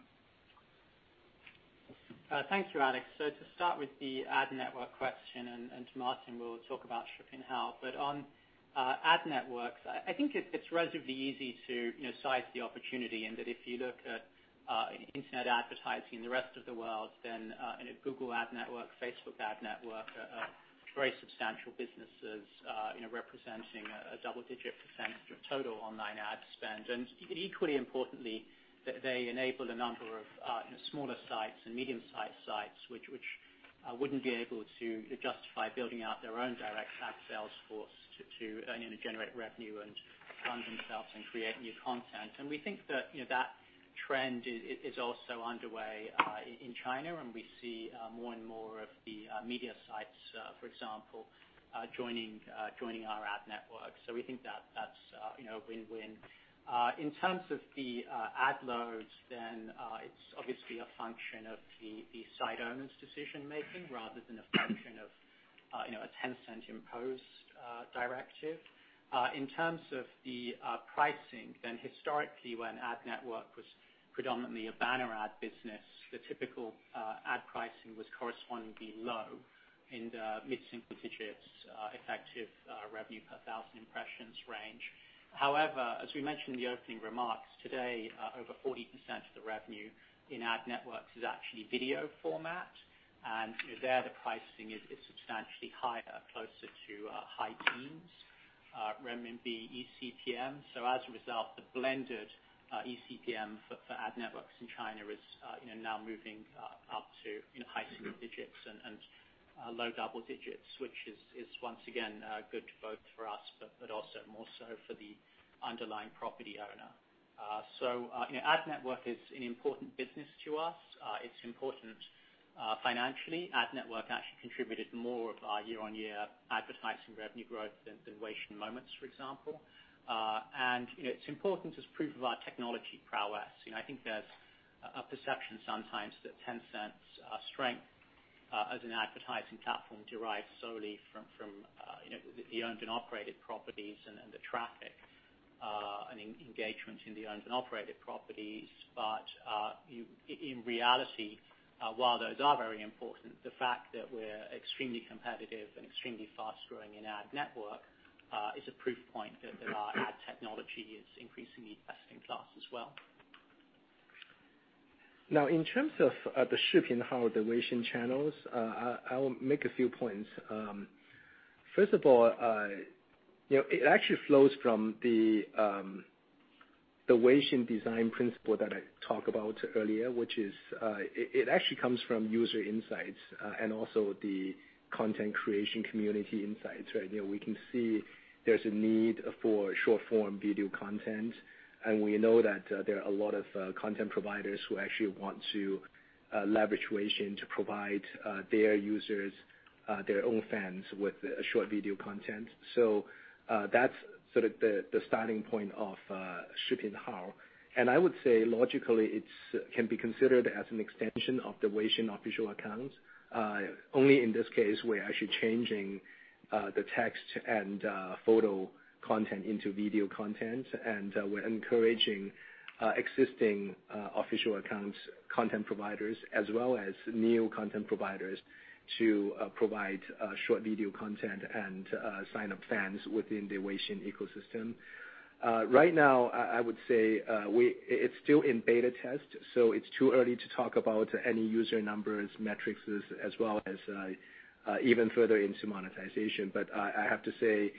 Thanks Alex. To start with the ad network question, Martin will talk about Shipinhao. On ad networks, I think it's relatively easy to size the opportunity in that if you look at Internet advertising in the rest of the world, Google ad network, Facebook ad network are very substantial businesses representing a double-digit percent of total online ad spend. Equally importantly, they enable a number of smaller sites and medium-sized sites which wouldn't be able to justify building out their own direct ad sales force to generate revenue and fund themselves and create new content. We think that trend is also underway in China, and we see more and more of the media sites, for example joining our ad network. We think that's a win-win. In terms of the ad loads, it's obviously a function of the site owner's decision making rather than a function of a Tencent-imposed directive. In terms of the pricing, historically, when ad network was predominantly a banner ad business, the typical ad pricing was correspondingly low in the mid-single digits effective revenue per thousand impressions range. However, as we mentioned in the opening remarks, today over 40% of the revenue in ad networks is actually video format, and there the pricing is substantially higher, closer to high teens renminbi eCPM. As a result, the blended eCPM for ad networks in China is now moving up to high single digits and low double digits, which is once again good both for us, but also more so for the underlying property owner. Ad network is an important business to us. It's important financially. Ad network actually contributed more of our year-on-year advertising revenue growth than Weixin Moments, for example. It's important as proof of our technology prowess. I think there's a perception sometimes that Tencent's strength as an advertising platform derives solely from the owned and operated properties and the traffic and engagement in the owned and operated properties. In reality, while those are very important, the fact that we're extremely competitive and extremely fast-growing in ad network is a proof point that our ad technology is increasingly best in class as well. In terms of the Shipinhao, the Weixin channels, I will make a few points. First of all it actually flows from the Weixin design principle that I talk about earlier, which is it actually comes from user insights and also the content creation community insights, right? We can see there's a need for short-form video content, and we know that there are a lot of content providers who actually want to leverage Weixin to provide their users, their own fans with short video content. That's sort of the starting point of Shipinhao. I would say logically, it can be considered as an extension of the Weixin official account. Only in this case, we're actually changing the text and photo content into video content, and we're encouraging existing Official Accounts, content providers, as well as new content providers to provide short video content and sign up fans within the Weixin ecosystem. Right now, I would say it's still in beta test. It's too early to talk about any user numbers, metrics, as well as even further into monetization. I have to say,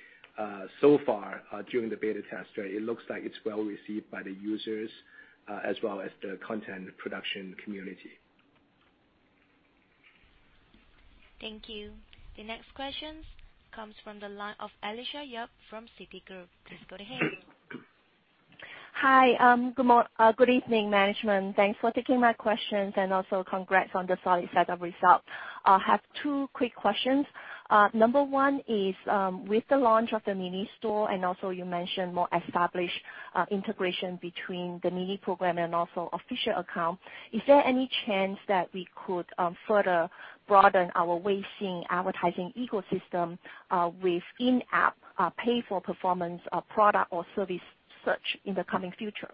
so far during the beta test, it looks like it's well received by the users as well as the content production community. Thank you. The next question comes from the line of Alicia Yap from Citigroup. Please go ahead. Hi. Good evening, management. Thanks for taking my questions, and also congrats on the solid set of results. I have two quick questions. Number one is, with the launch of the Mini Stores and also you mentioned more established integration between the Mini Programs and also Official Account, is there any chance that we could further broaden our Weixin advertising ecosystem with in-app pay for performance product or service search in the coming future?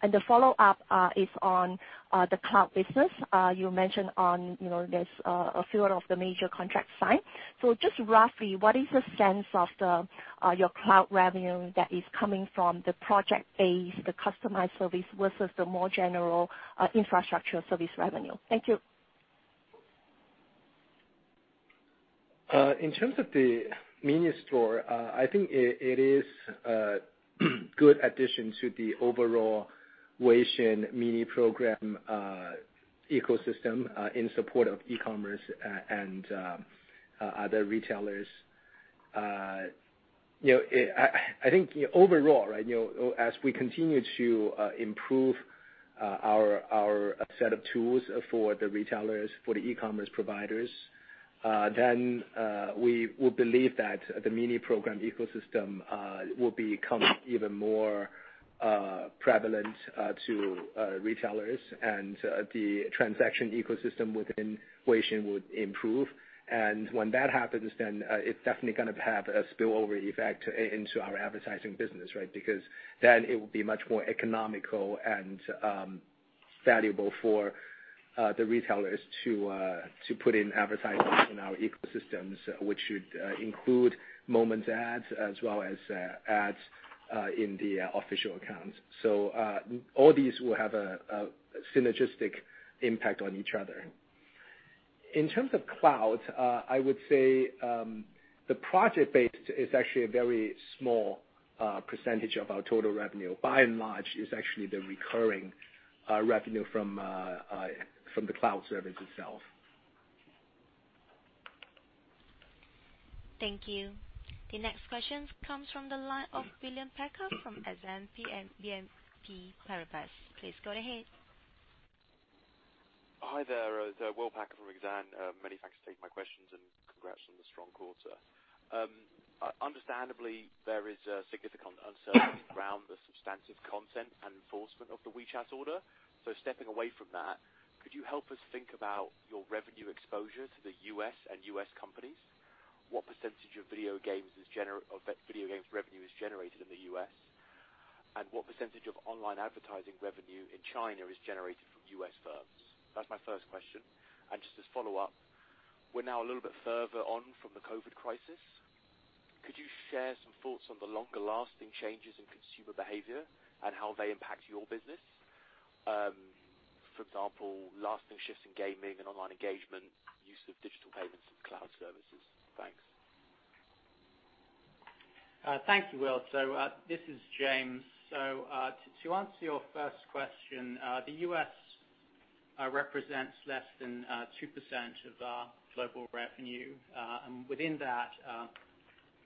The follow-up is on the Cloud business. You mentioned on this a few of the major contracts signed. Just roughly, what is the sense of your cloud revenue that is coming from the project base, the customized service versus the more general infrastructure service revenue? Thank you. In terms of the Mini Stores, I think it is a good addition to the overall Weixin Mini Programs ecosystem in support of e-commerce and other retailers. I think overall, as we continue to improve our set of tools for the retailers, for the e-commerce providers, then we will believe that the Mini Programs ecosystem will become even more prevalent to retailers and the transaction ecosystem within Weixin would improve. When that happens, then it's definitely going to have a spillover effect into our Advertising business, right? Then it will be much more economical and valuable for the retailers to put in advertisements in our ecosystems, which should include Moments ads as well as ads in the Official Accounts. All these will have a synergistic impact on each other. In terms of cloud, I would say the project-based is actually a very small percentage of our total revenue. By and large, it's actually the recurring revenue from the cloud service itself. Thank you. The next question comes from the line of William Packer from Exane BNP Paribas. Please go ahead. Hi there. It's Will Packer from Exane. Many thanks for taking my questions and congrats on the strong quarter. Understandably, there is a significant uncertainty around the substantive content and enforcement of the WeChat order. Stepping away from that, could you help us think about your revenue exposure to the U.S. and U.S. companies? What percentage of video games revenue is generated in the U.S., and what percentage of online advertising revenue in China is generated from U.S. firms? That's my first question. Just as follow-up, we're now a little bit further on from the COVID crisis. Could you share some thoughts on the longer-lasting changes in consumer behavior and how they impact your business? For example, lasting shifts in gaming and online engagement, use of digital payments and cloud services. Thanks. Thank you, Will. This is James. To answer your first question, the U.S. represents less than 2% of our global revenue. Within that,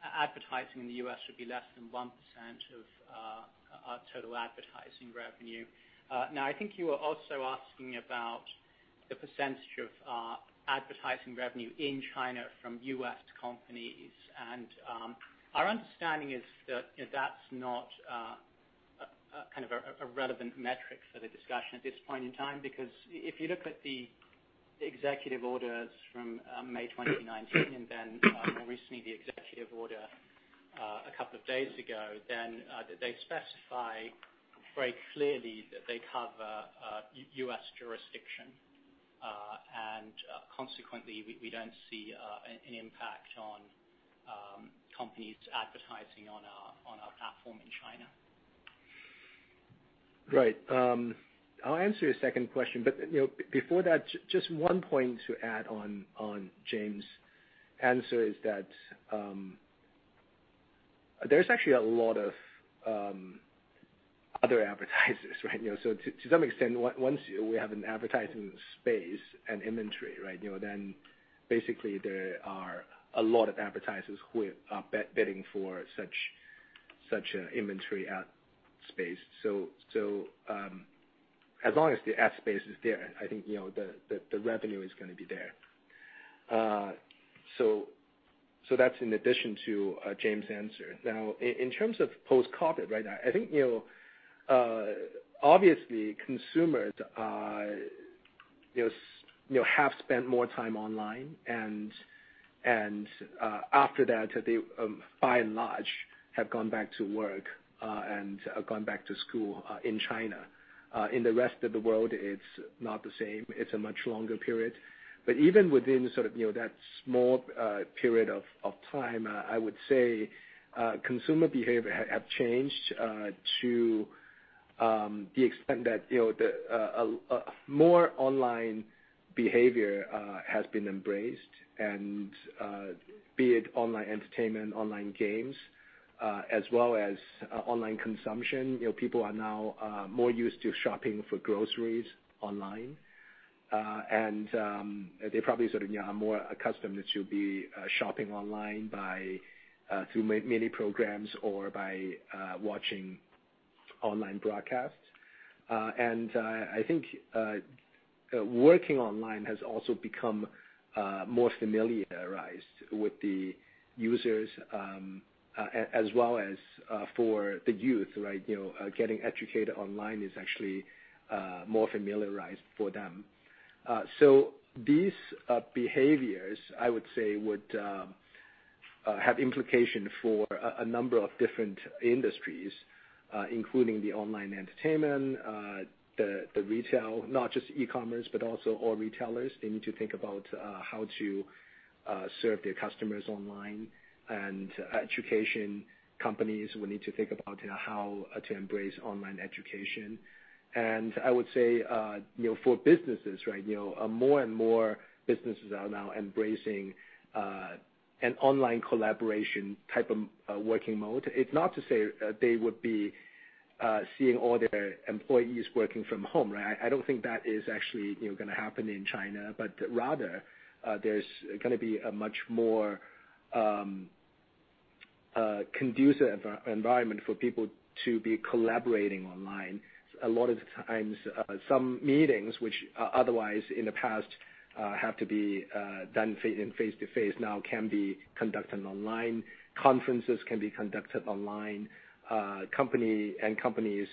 advertising in the U.S. would be less than 1% of our total advertising revenue. I think you were also asking about the percentage of advertising revenue in China from U.S. companies. Our understanding is that that's not kind of a relevant metric for the discussion at this point in time, because if you look at the executive orders from May 2019 and then more recently, the executive order a couple of days ago, they specify very clearly that they cover U.S. jurisdiction. Consequently, we don't see an impact on companies advertising on our platform in China. Right. I'll answer your second question. Before that, just one point to add on James' answer is that there's actually a lot of other advertisers, right? To some extent, once we have an advertising space and inventory, right, then basically there are a lot of advertisers who are bidding for such an inventory ad space. As long as the ad space is there, I think the revenue is going to be there. That's in addition to James' answer. In terms of post-COVID, right? I think, obviously consumers have spent more time online, and after that, they by and large have gone back to work and gone back to school in China. In the rest of the world, it's not the same. It's a much longer period. Even within sort of that small period of time, I would say consumer behavior have changed to the extent that more online behavior has been embraced and be it online entertainment, online games, as well as online consumption. People are now more used to shopping for groceries online. They probably are more accustomed to be shopping online through Mini Programs or by watching online broadcasts. I think working online has also become more familiarized with the users, as well as for the youth. Getting educated online is actually more familiarized for them. These behaviors, I would say, would have implication for a number of different industries, including the online entertainment, the retail, not just e-commerce, but also all retailers. They need to think about how to serve their customers online. Education companies will need to think about how to embrace online education. I would say for businesses, more and businesses are now embracing an online collaboration type of working mode. It's not to say they would be seeing all their employees working from home. I don't think that is actually going to happen in China, but rather there's going to be a much more conducive environment for people to be collaborating online. A lot of the times, some meetings, which otherwise in the past have to be done face-to-face, now can be conducted online. Conferences can be conducted online. Companies, inter-company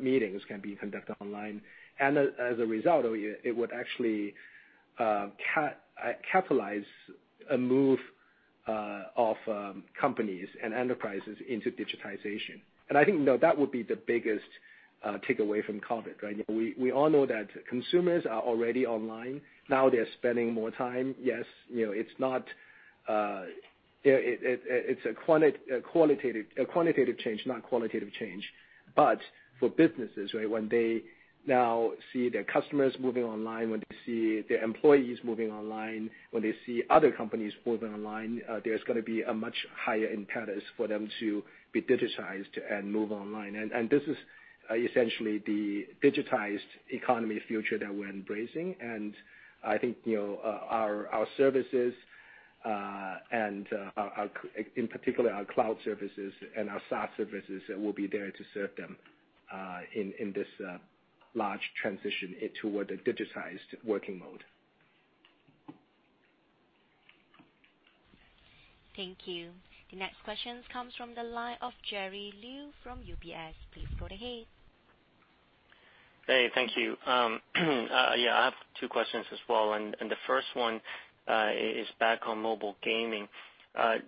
meetings can be conducted online. As a result, it would actually capitalize a move of companies and enterprises into digitization. I think that would be the biggest takeaway from COVID. We all know that consumers are already online. Now they're spending more time. Yes, it's a quantitative change, not qualitative change. For businesses, when they now see their customers moving online, when they see their employees moving online, when they see other companies moving online, there's going to be a much higher impetus for them to be digitized and move online. This is essentially the digitized economy future that we're embracing. I think our services, and in particular, our cloud services and our SaaS services will be there to serve them in this large transition toward a digitized working mode. Thank you. The next question comes from the line of Jerry Liu from UBS. Please go ahead. Hey, thank you. Yeah, I have two questions as well. The first one is back on mobile gaming.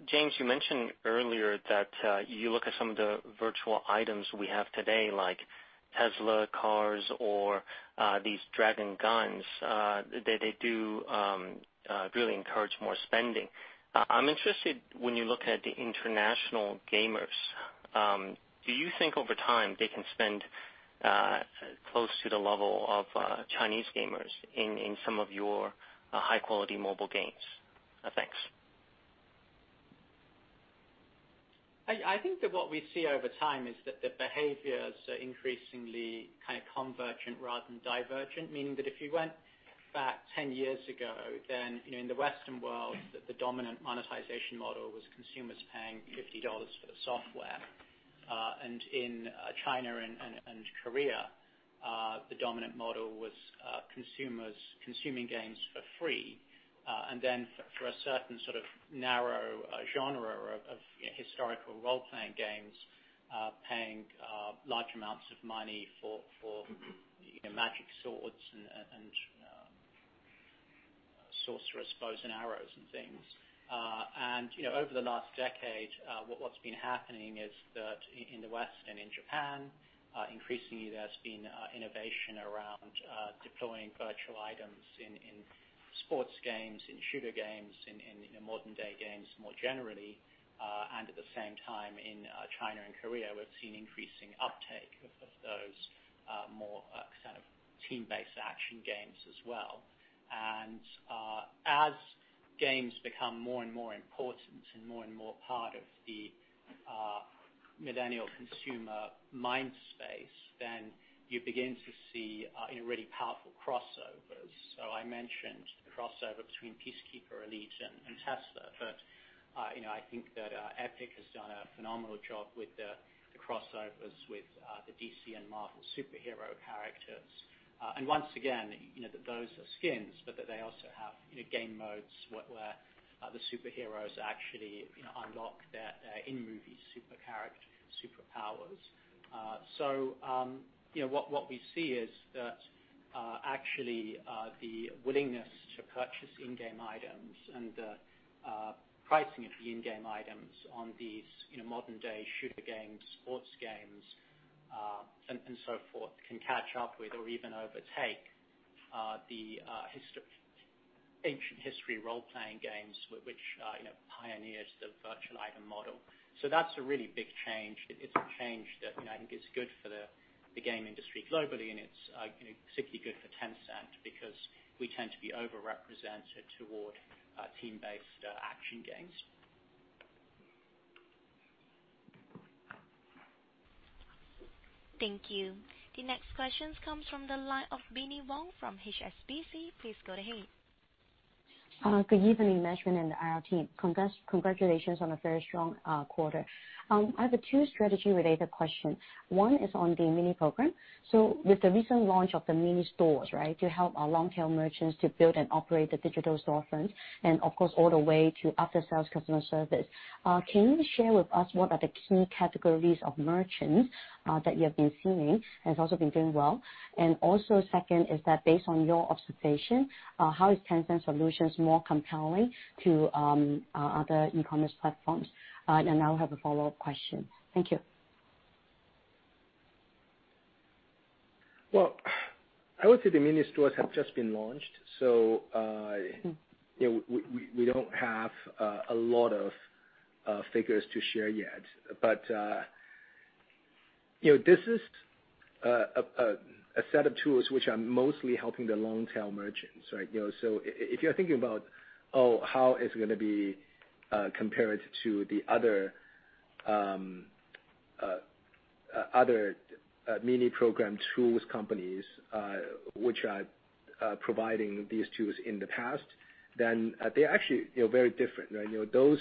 James, you mentioned earlier that you look at some of the virtual items we have today, like Tesla cars or these dragon guns. They do really encourage more spending. I'm interested when you look at the international gamers, do you think over time they can spend close to the level of Chinese gamers in some of your high-quality mobile games? Thanks. I think that what we see over time is that the behaviors are increasingly kind of convergent rather than divergent, meaning that if you went back 10 years ago, then in the Western world, the dominant monetization model was consumers paying $50 for software. In China and Korea, the dominant model was consumers consuming games for free. For a certain sort of narrow genre of historical role-playing games paying large amounts of money for magic swords and sorcerer's bows and arrows and things. Over the last decade, what's been happening is that in the West and in Japan, increasingly, there's been innovation around deploying virtual items in sports games, in shooter games, in modern-day games more generally. At the same time, in China and Korea, we've seen increasing uptake of those more kind of team-based action games as well. As games become more and more important and more and more part of the millennial consumer mind space, then you begin to see really powerful crossovers. I mentioned the crossover between Peacekeeper Elite and Tesla, but I think that Epic has done a phenomenal job with the crossovers with the DC and Marvel superhero characters. Once again, those are skins, but they also have game modes where the superheroes actually unlock their in-movie superpowers. What we see is that actually the willingness to purchase in-game items and the pricing of the in-game items on these modern-day shooter games, sports games, and so forth, can catch up with or even overtake the ancient history role-playing games, which pioneered the virtual item model. That's a really big change. It's a change that I think is good for the game industry globally, and it's particularly good for Tencent because we tend to be over-represented toward team-based action games. Thank you. The next question comes from the line of Binnie Wong from HSBC. Please go ahead. Good evening, management and the IR team. Congratulations on a very strong quarter. I have two strategy-related questions. One is on the Mini Program. With the recent launch of the Mini Stores, right, to help our long-tail merchants to build and operate the digital storefront, and of course, all the way to after-sales customer service. Can you share with us what are the key categories of merchants that you have been seeing, has also been doing well? Also second is that based on your observation, how is Tencent Solutions more compelling to other e-commerce platforms? I'll have a follow-up question. Thank you. I would say the Mini Stores have just been launched, we don't have a lot of figures to share yet. This is a set of tools which are mostly helping the long-tail merchants, right? If you're thinking about how it's going to be compared to the other Mini Program tools companies, which are providing these tools in the past, they're actually very different. Those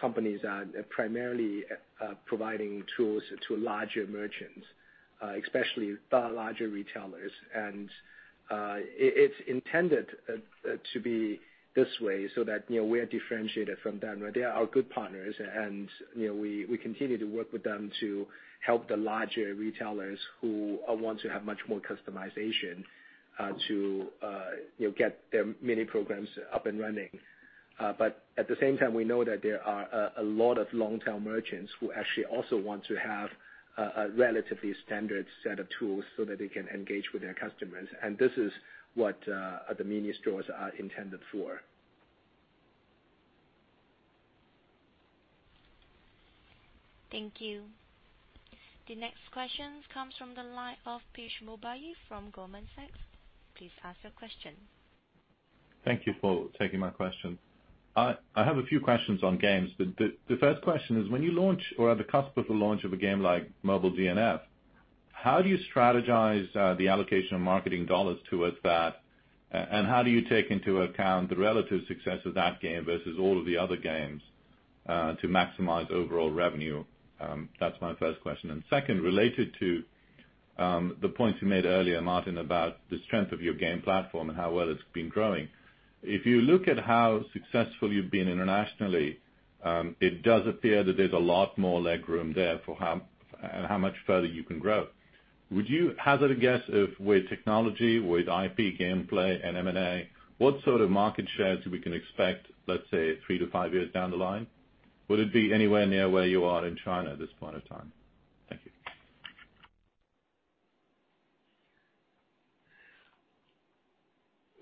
companies are primarily providing tools to larger merchants, especially the larger retailers. It's intended to be this way so that we're differentiated from them. They are our good partners and we continue to work with them to help the larger retailers who want to have much more customization to get their Mini Programs up and running. At the same time, we know that there are a lot of long-tail merchants who actually also want to have a relatively standard set of tools so that they can engage with their customers, and this is what the Mini Stores are intended for. Thank you. The next question comes from the line of Piyush Mubayi from Goldman Sachs. Please ask your question. Thank you for taking my question. I have a few questions on games. The first question is, when you launch or are the cusp of the launch of a game like Mobile DnF, how do you strategize the allocation of marketing dollars towards that? How do you take into account the relative success of that game versus all of the other games, to maximize overall revenue? That's my first question. Second, related to the points you made earlier, Martin, about the strength of your game platform and how well it's been growing. If you look at how successful you've been internationally, it does appear that there's a lot more leg room there for how much further you can grow. Would you hazard a guess if with technology, with IP gameplay and M&A, what sort of market shares we can expect, let's say three to five years down the line? Would it be anywhere near where you are in China at this point of time? Thank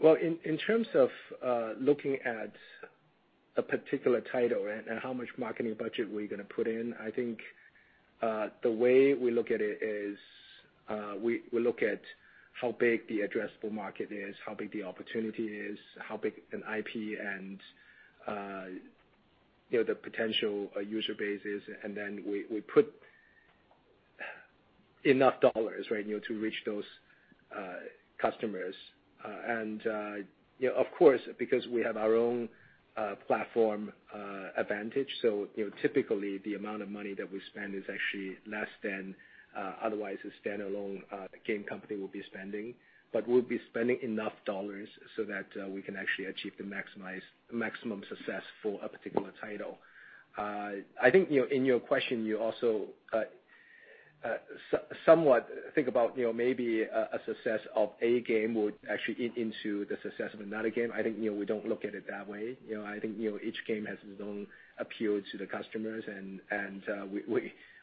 you. In terms of looking at a particular title and how much marketing budget we're going to put in, I think the way we look at it is, we look at how big the addressable market is, how big the opportunity is, how big an IP and the potential user base is, and then we put enough dollars, right, to reach those customers. Of course, because we have our own platform advantage, so typically, the amount of money that we spend is actually less than otherwise a standalone game company will be spending. We'll be spending enough dollars so that we can actually achieve the maximum success for a particular title. I think in your question, you also somewhat think about maybe a success of a game would actually eat into the success of another game. I think we don't look at it that way. I think each game has its own appeal to the customers, and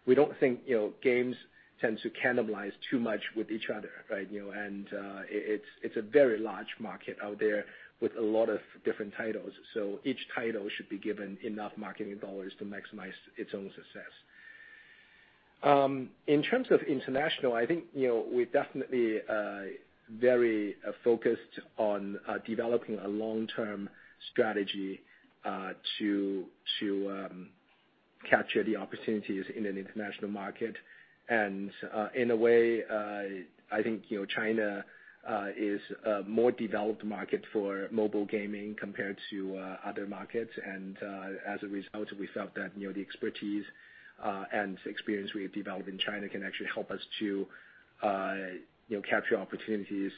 we don't think games tend to cannibalize too much with each other, right? It's a very large market out there with a lot of different titles, so each title should be given enough marketing dollars to maximize its own success. In terms of international, I think we're definitely very focused on developing a long-term strategy to capture the opportunities in an international market. In a way, I think China is a more developed market for mobile gaming compared to other markets. As a result, we felt that the expertise and experience we have developed in China can actually help us to capture opportunities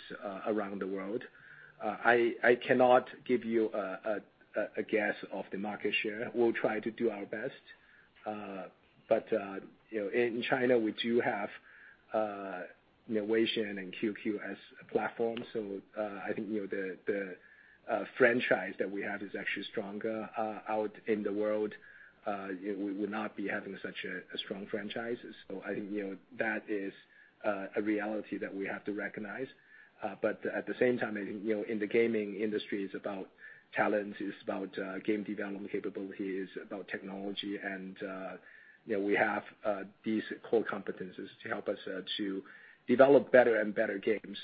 around the world. I cannot give you a guess of the market share. We'll try to do our best. In China, we do have Weixin and QQ as platforms. I think the franchise that we have is actually stronger out in the world. We would not be having such a strong franchise. I think that is a reality that we have to recognize. At the same time, I think, in the gaming industry, it's about talent, it's about game development capabilities, about technology. We have these core competencies to help us to develop better and better games,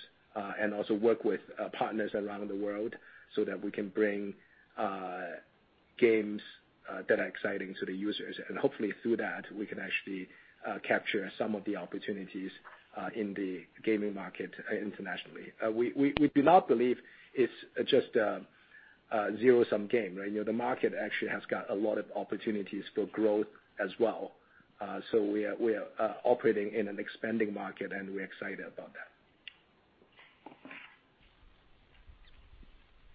and also work with partners around the world so that we can bring games that are exciting to the users. Hopefully through that, we can actually capture some of the opportunities in the gaming market internationally. We do not believe it's just a zero-sum game, right? The market actually has got a lot of opportunities for growth as well. We are operating in an expanding market, and we're excited about that.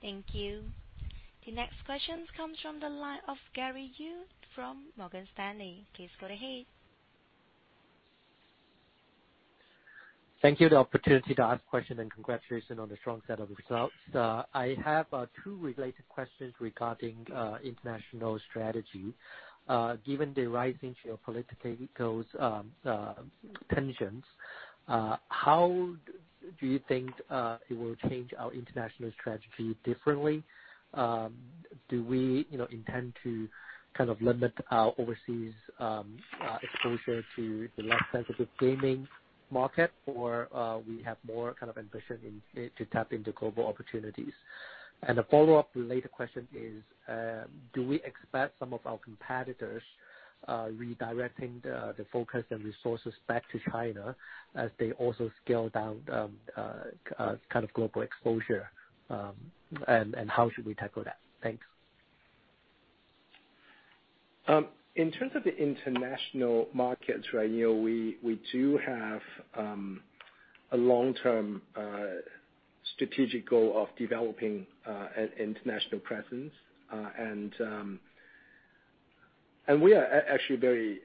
Thank you. The next question comes from the line of Gary Yu from Morgan Stanley. Please go ahead. Thank you for the opportunity to ask a question and congratulations on the strong set of results. I have two related questions regarding international strategy. Given the rising geopolitical tensions, how do you think it will change our international strategy differently? Do we intend to kind of limit our overseas exposure to the less sensitive gaming market, or we have more kind of ambition to tap into global opportunities? A follow-up related question is, do we expect some of our competitors redirecting the focus and resources back to China as they also scale down kind of global exposure, and how should we tackle that? Thanks. In terms of the international markets, we do have a long-term strategic goal of developing an international presence. We are actually very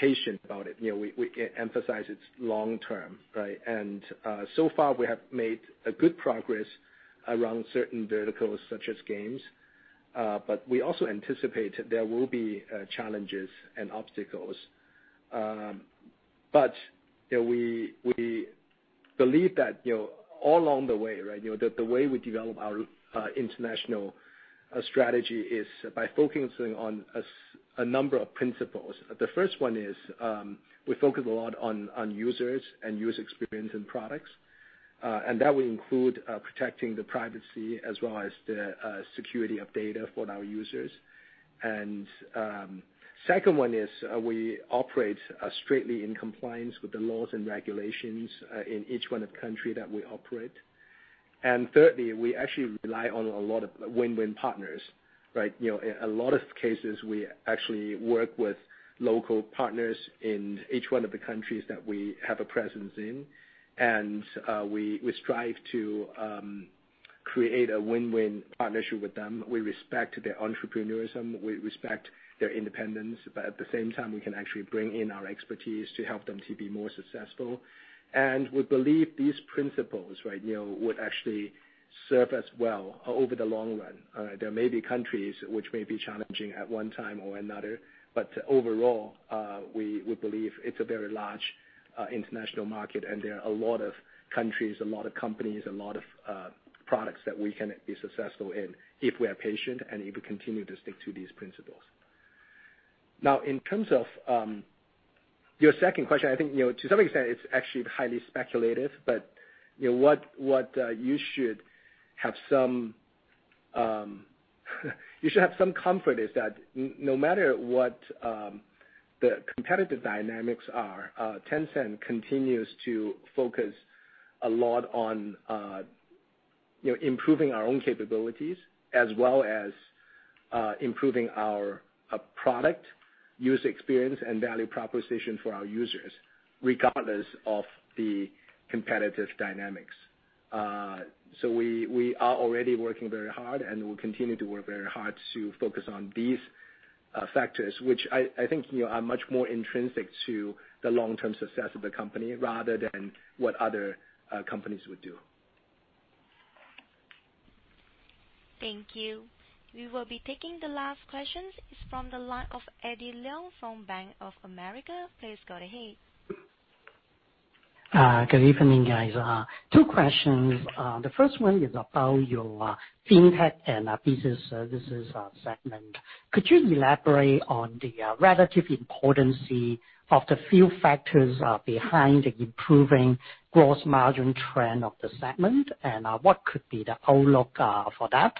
patient about it. We emphasize it's long term, right? So far, we have made a good progress around certain verticals such as games. We also anticipate there will be challenges and obstacles. We believe that all along the way, right, the way we develop our international strategy is by focusing on a number of principles. The first one is, we focus a lot on users and user experience and products. That will include protecting the privacy as well as the security of data for our users. Second one is, we operate strictly in compliance with the laws and regulations in each one of country that we operate. Thirdly, we actually rely on a lot of win-win partners, right? In a lot of cases, we actually work with local partners in each one of the countries that we have a presence in. We strive to create a win-win partnership with them. We respect their entrepreneurism, we respect their independence, but at the same time, we can actually bring in our expertise to help them to be more successful. We believe these principles, right, would actually serve us well over the long run. There may be countries which may be challenging at one time or another, but overall, we believe it's a very large international market and there are a lot of countries, a lot of companies, a lot of products that we can be successful in if we are patient and if we continue to stick to these principles. In terms of your second question, I think, to some extent, it's actually highly speculative, but what you should have some comfort is that no matter what the competitive dynamics are, Tencent continues to focus a lot on improving our own capabilities as well as improving our product, user experience, and value proposition for our users, regardless of the competitive dynamics. We are already working very hard, and we'll continue to work very hard to focus on these factors, which I think are much more intrinsic to the long-term success of the company rather than what other companies would do. Thank you. We will be taking the last question. It is from the line of Eddie Leung from Bank of America. Please go ahead. Good evening, guys. Two questions. The first one is about your FinTech and Business Services segment. Could you elaborate on the relative importance of the few factors behind the improving gross margin trend of the segment, and what could be the outlook for that?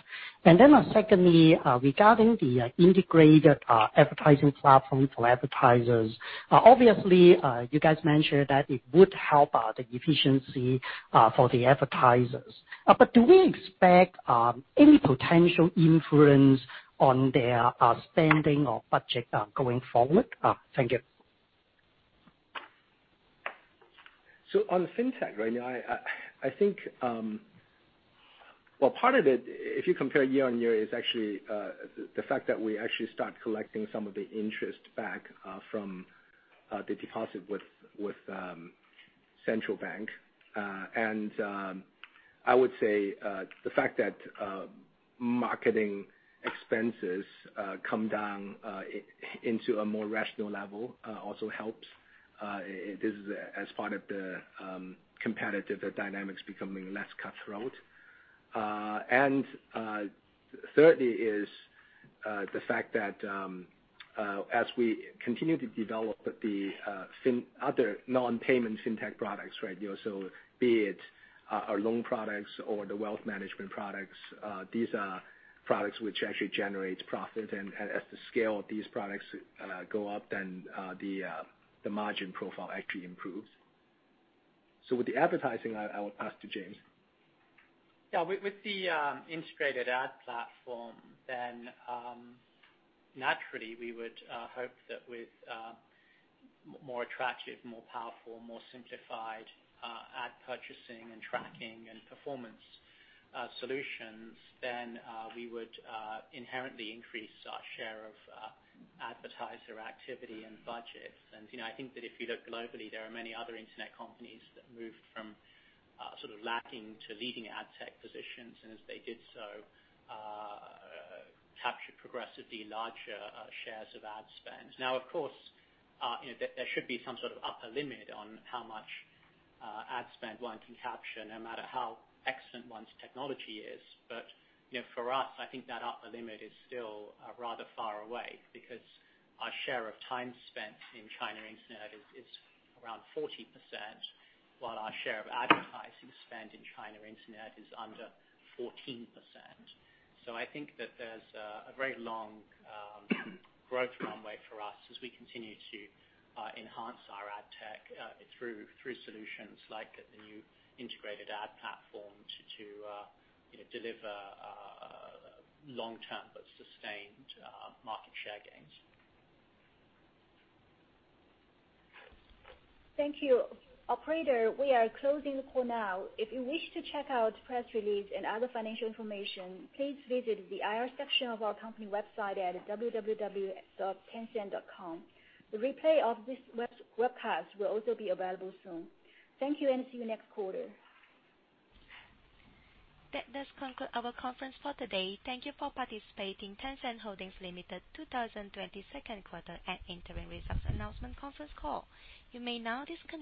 Secondly, regarding the integrated advertising platform for advertisers, obviously, you guys mentioned that it would help out the efficiency for the advertisers. Do we expect any potential influence on their spending or budget going forward? Thank you. On FinTech right now, I think, well, part of it, if you compare year-on-year, is actually the fact that we actually start collecting some of the interest back from the deposit with Central Bank. I would say the fact that marketing expenses come down into a more rational level also helps. This is as part of the competitive dynamics becoming less cutthroat. Thirdly is the fact that, as we continue to develop the other non-payment FinTech products, right? Be it our loan products or the wealth management products, these are products which actually generate profit. As the scale of these products go up, then the margin profile actually improves. With the advertising, I will pass to James. Yeah. With the integrated ad platform, naturally, we would hope that with more attractive, more powerful, more simplified ad purchasing and tracking and performance solutions, we would inherently increase our share of advertiser activity and budgets. I think that if you look globally, there are many other internet companies that moved from sort of lacking to leading ad tech positions, and as they did so, captured progressively larger shares of ad spend. Now, of course, there should be some sort of upper limit on how much ad spend one can capture, no matter how excellent one's technology is. For us, I think that upper limit is still rather far away because our share of time spent in China Internet is around 40%, while our share of advertising spend in China Internet is under 14%. I think that there's a very long growth runway for us as we continue to enhance our ad tech through solutions like the new integrated ad platform to deliver long-term but sustained market share gains. Thank you. Operator, we are closing the call now. If you wish to check out press release and other financial information, please visit the IR section of our company website at www.tencent.com. The replay of this webcast will also be available soon. Thank you, and see you next quarter. That does conclude our conference for today. Thank you for participating. Tencent Holdings Limited 2020 second quarter and interim results announcement conference call. You may now disconnect.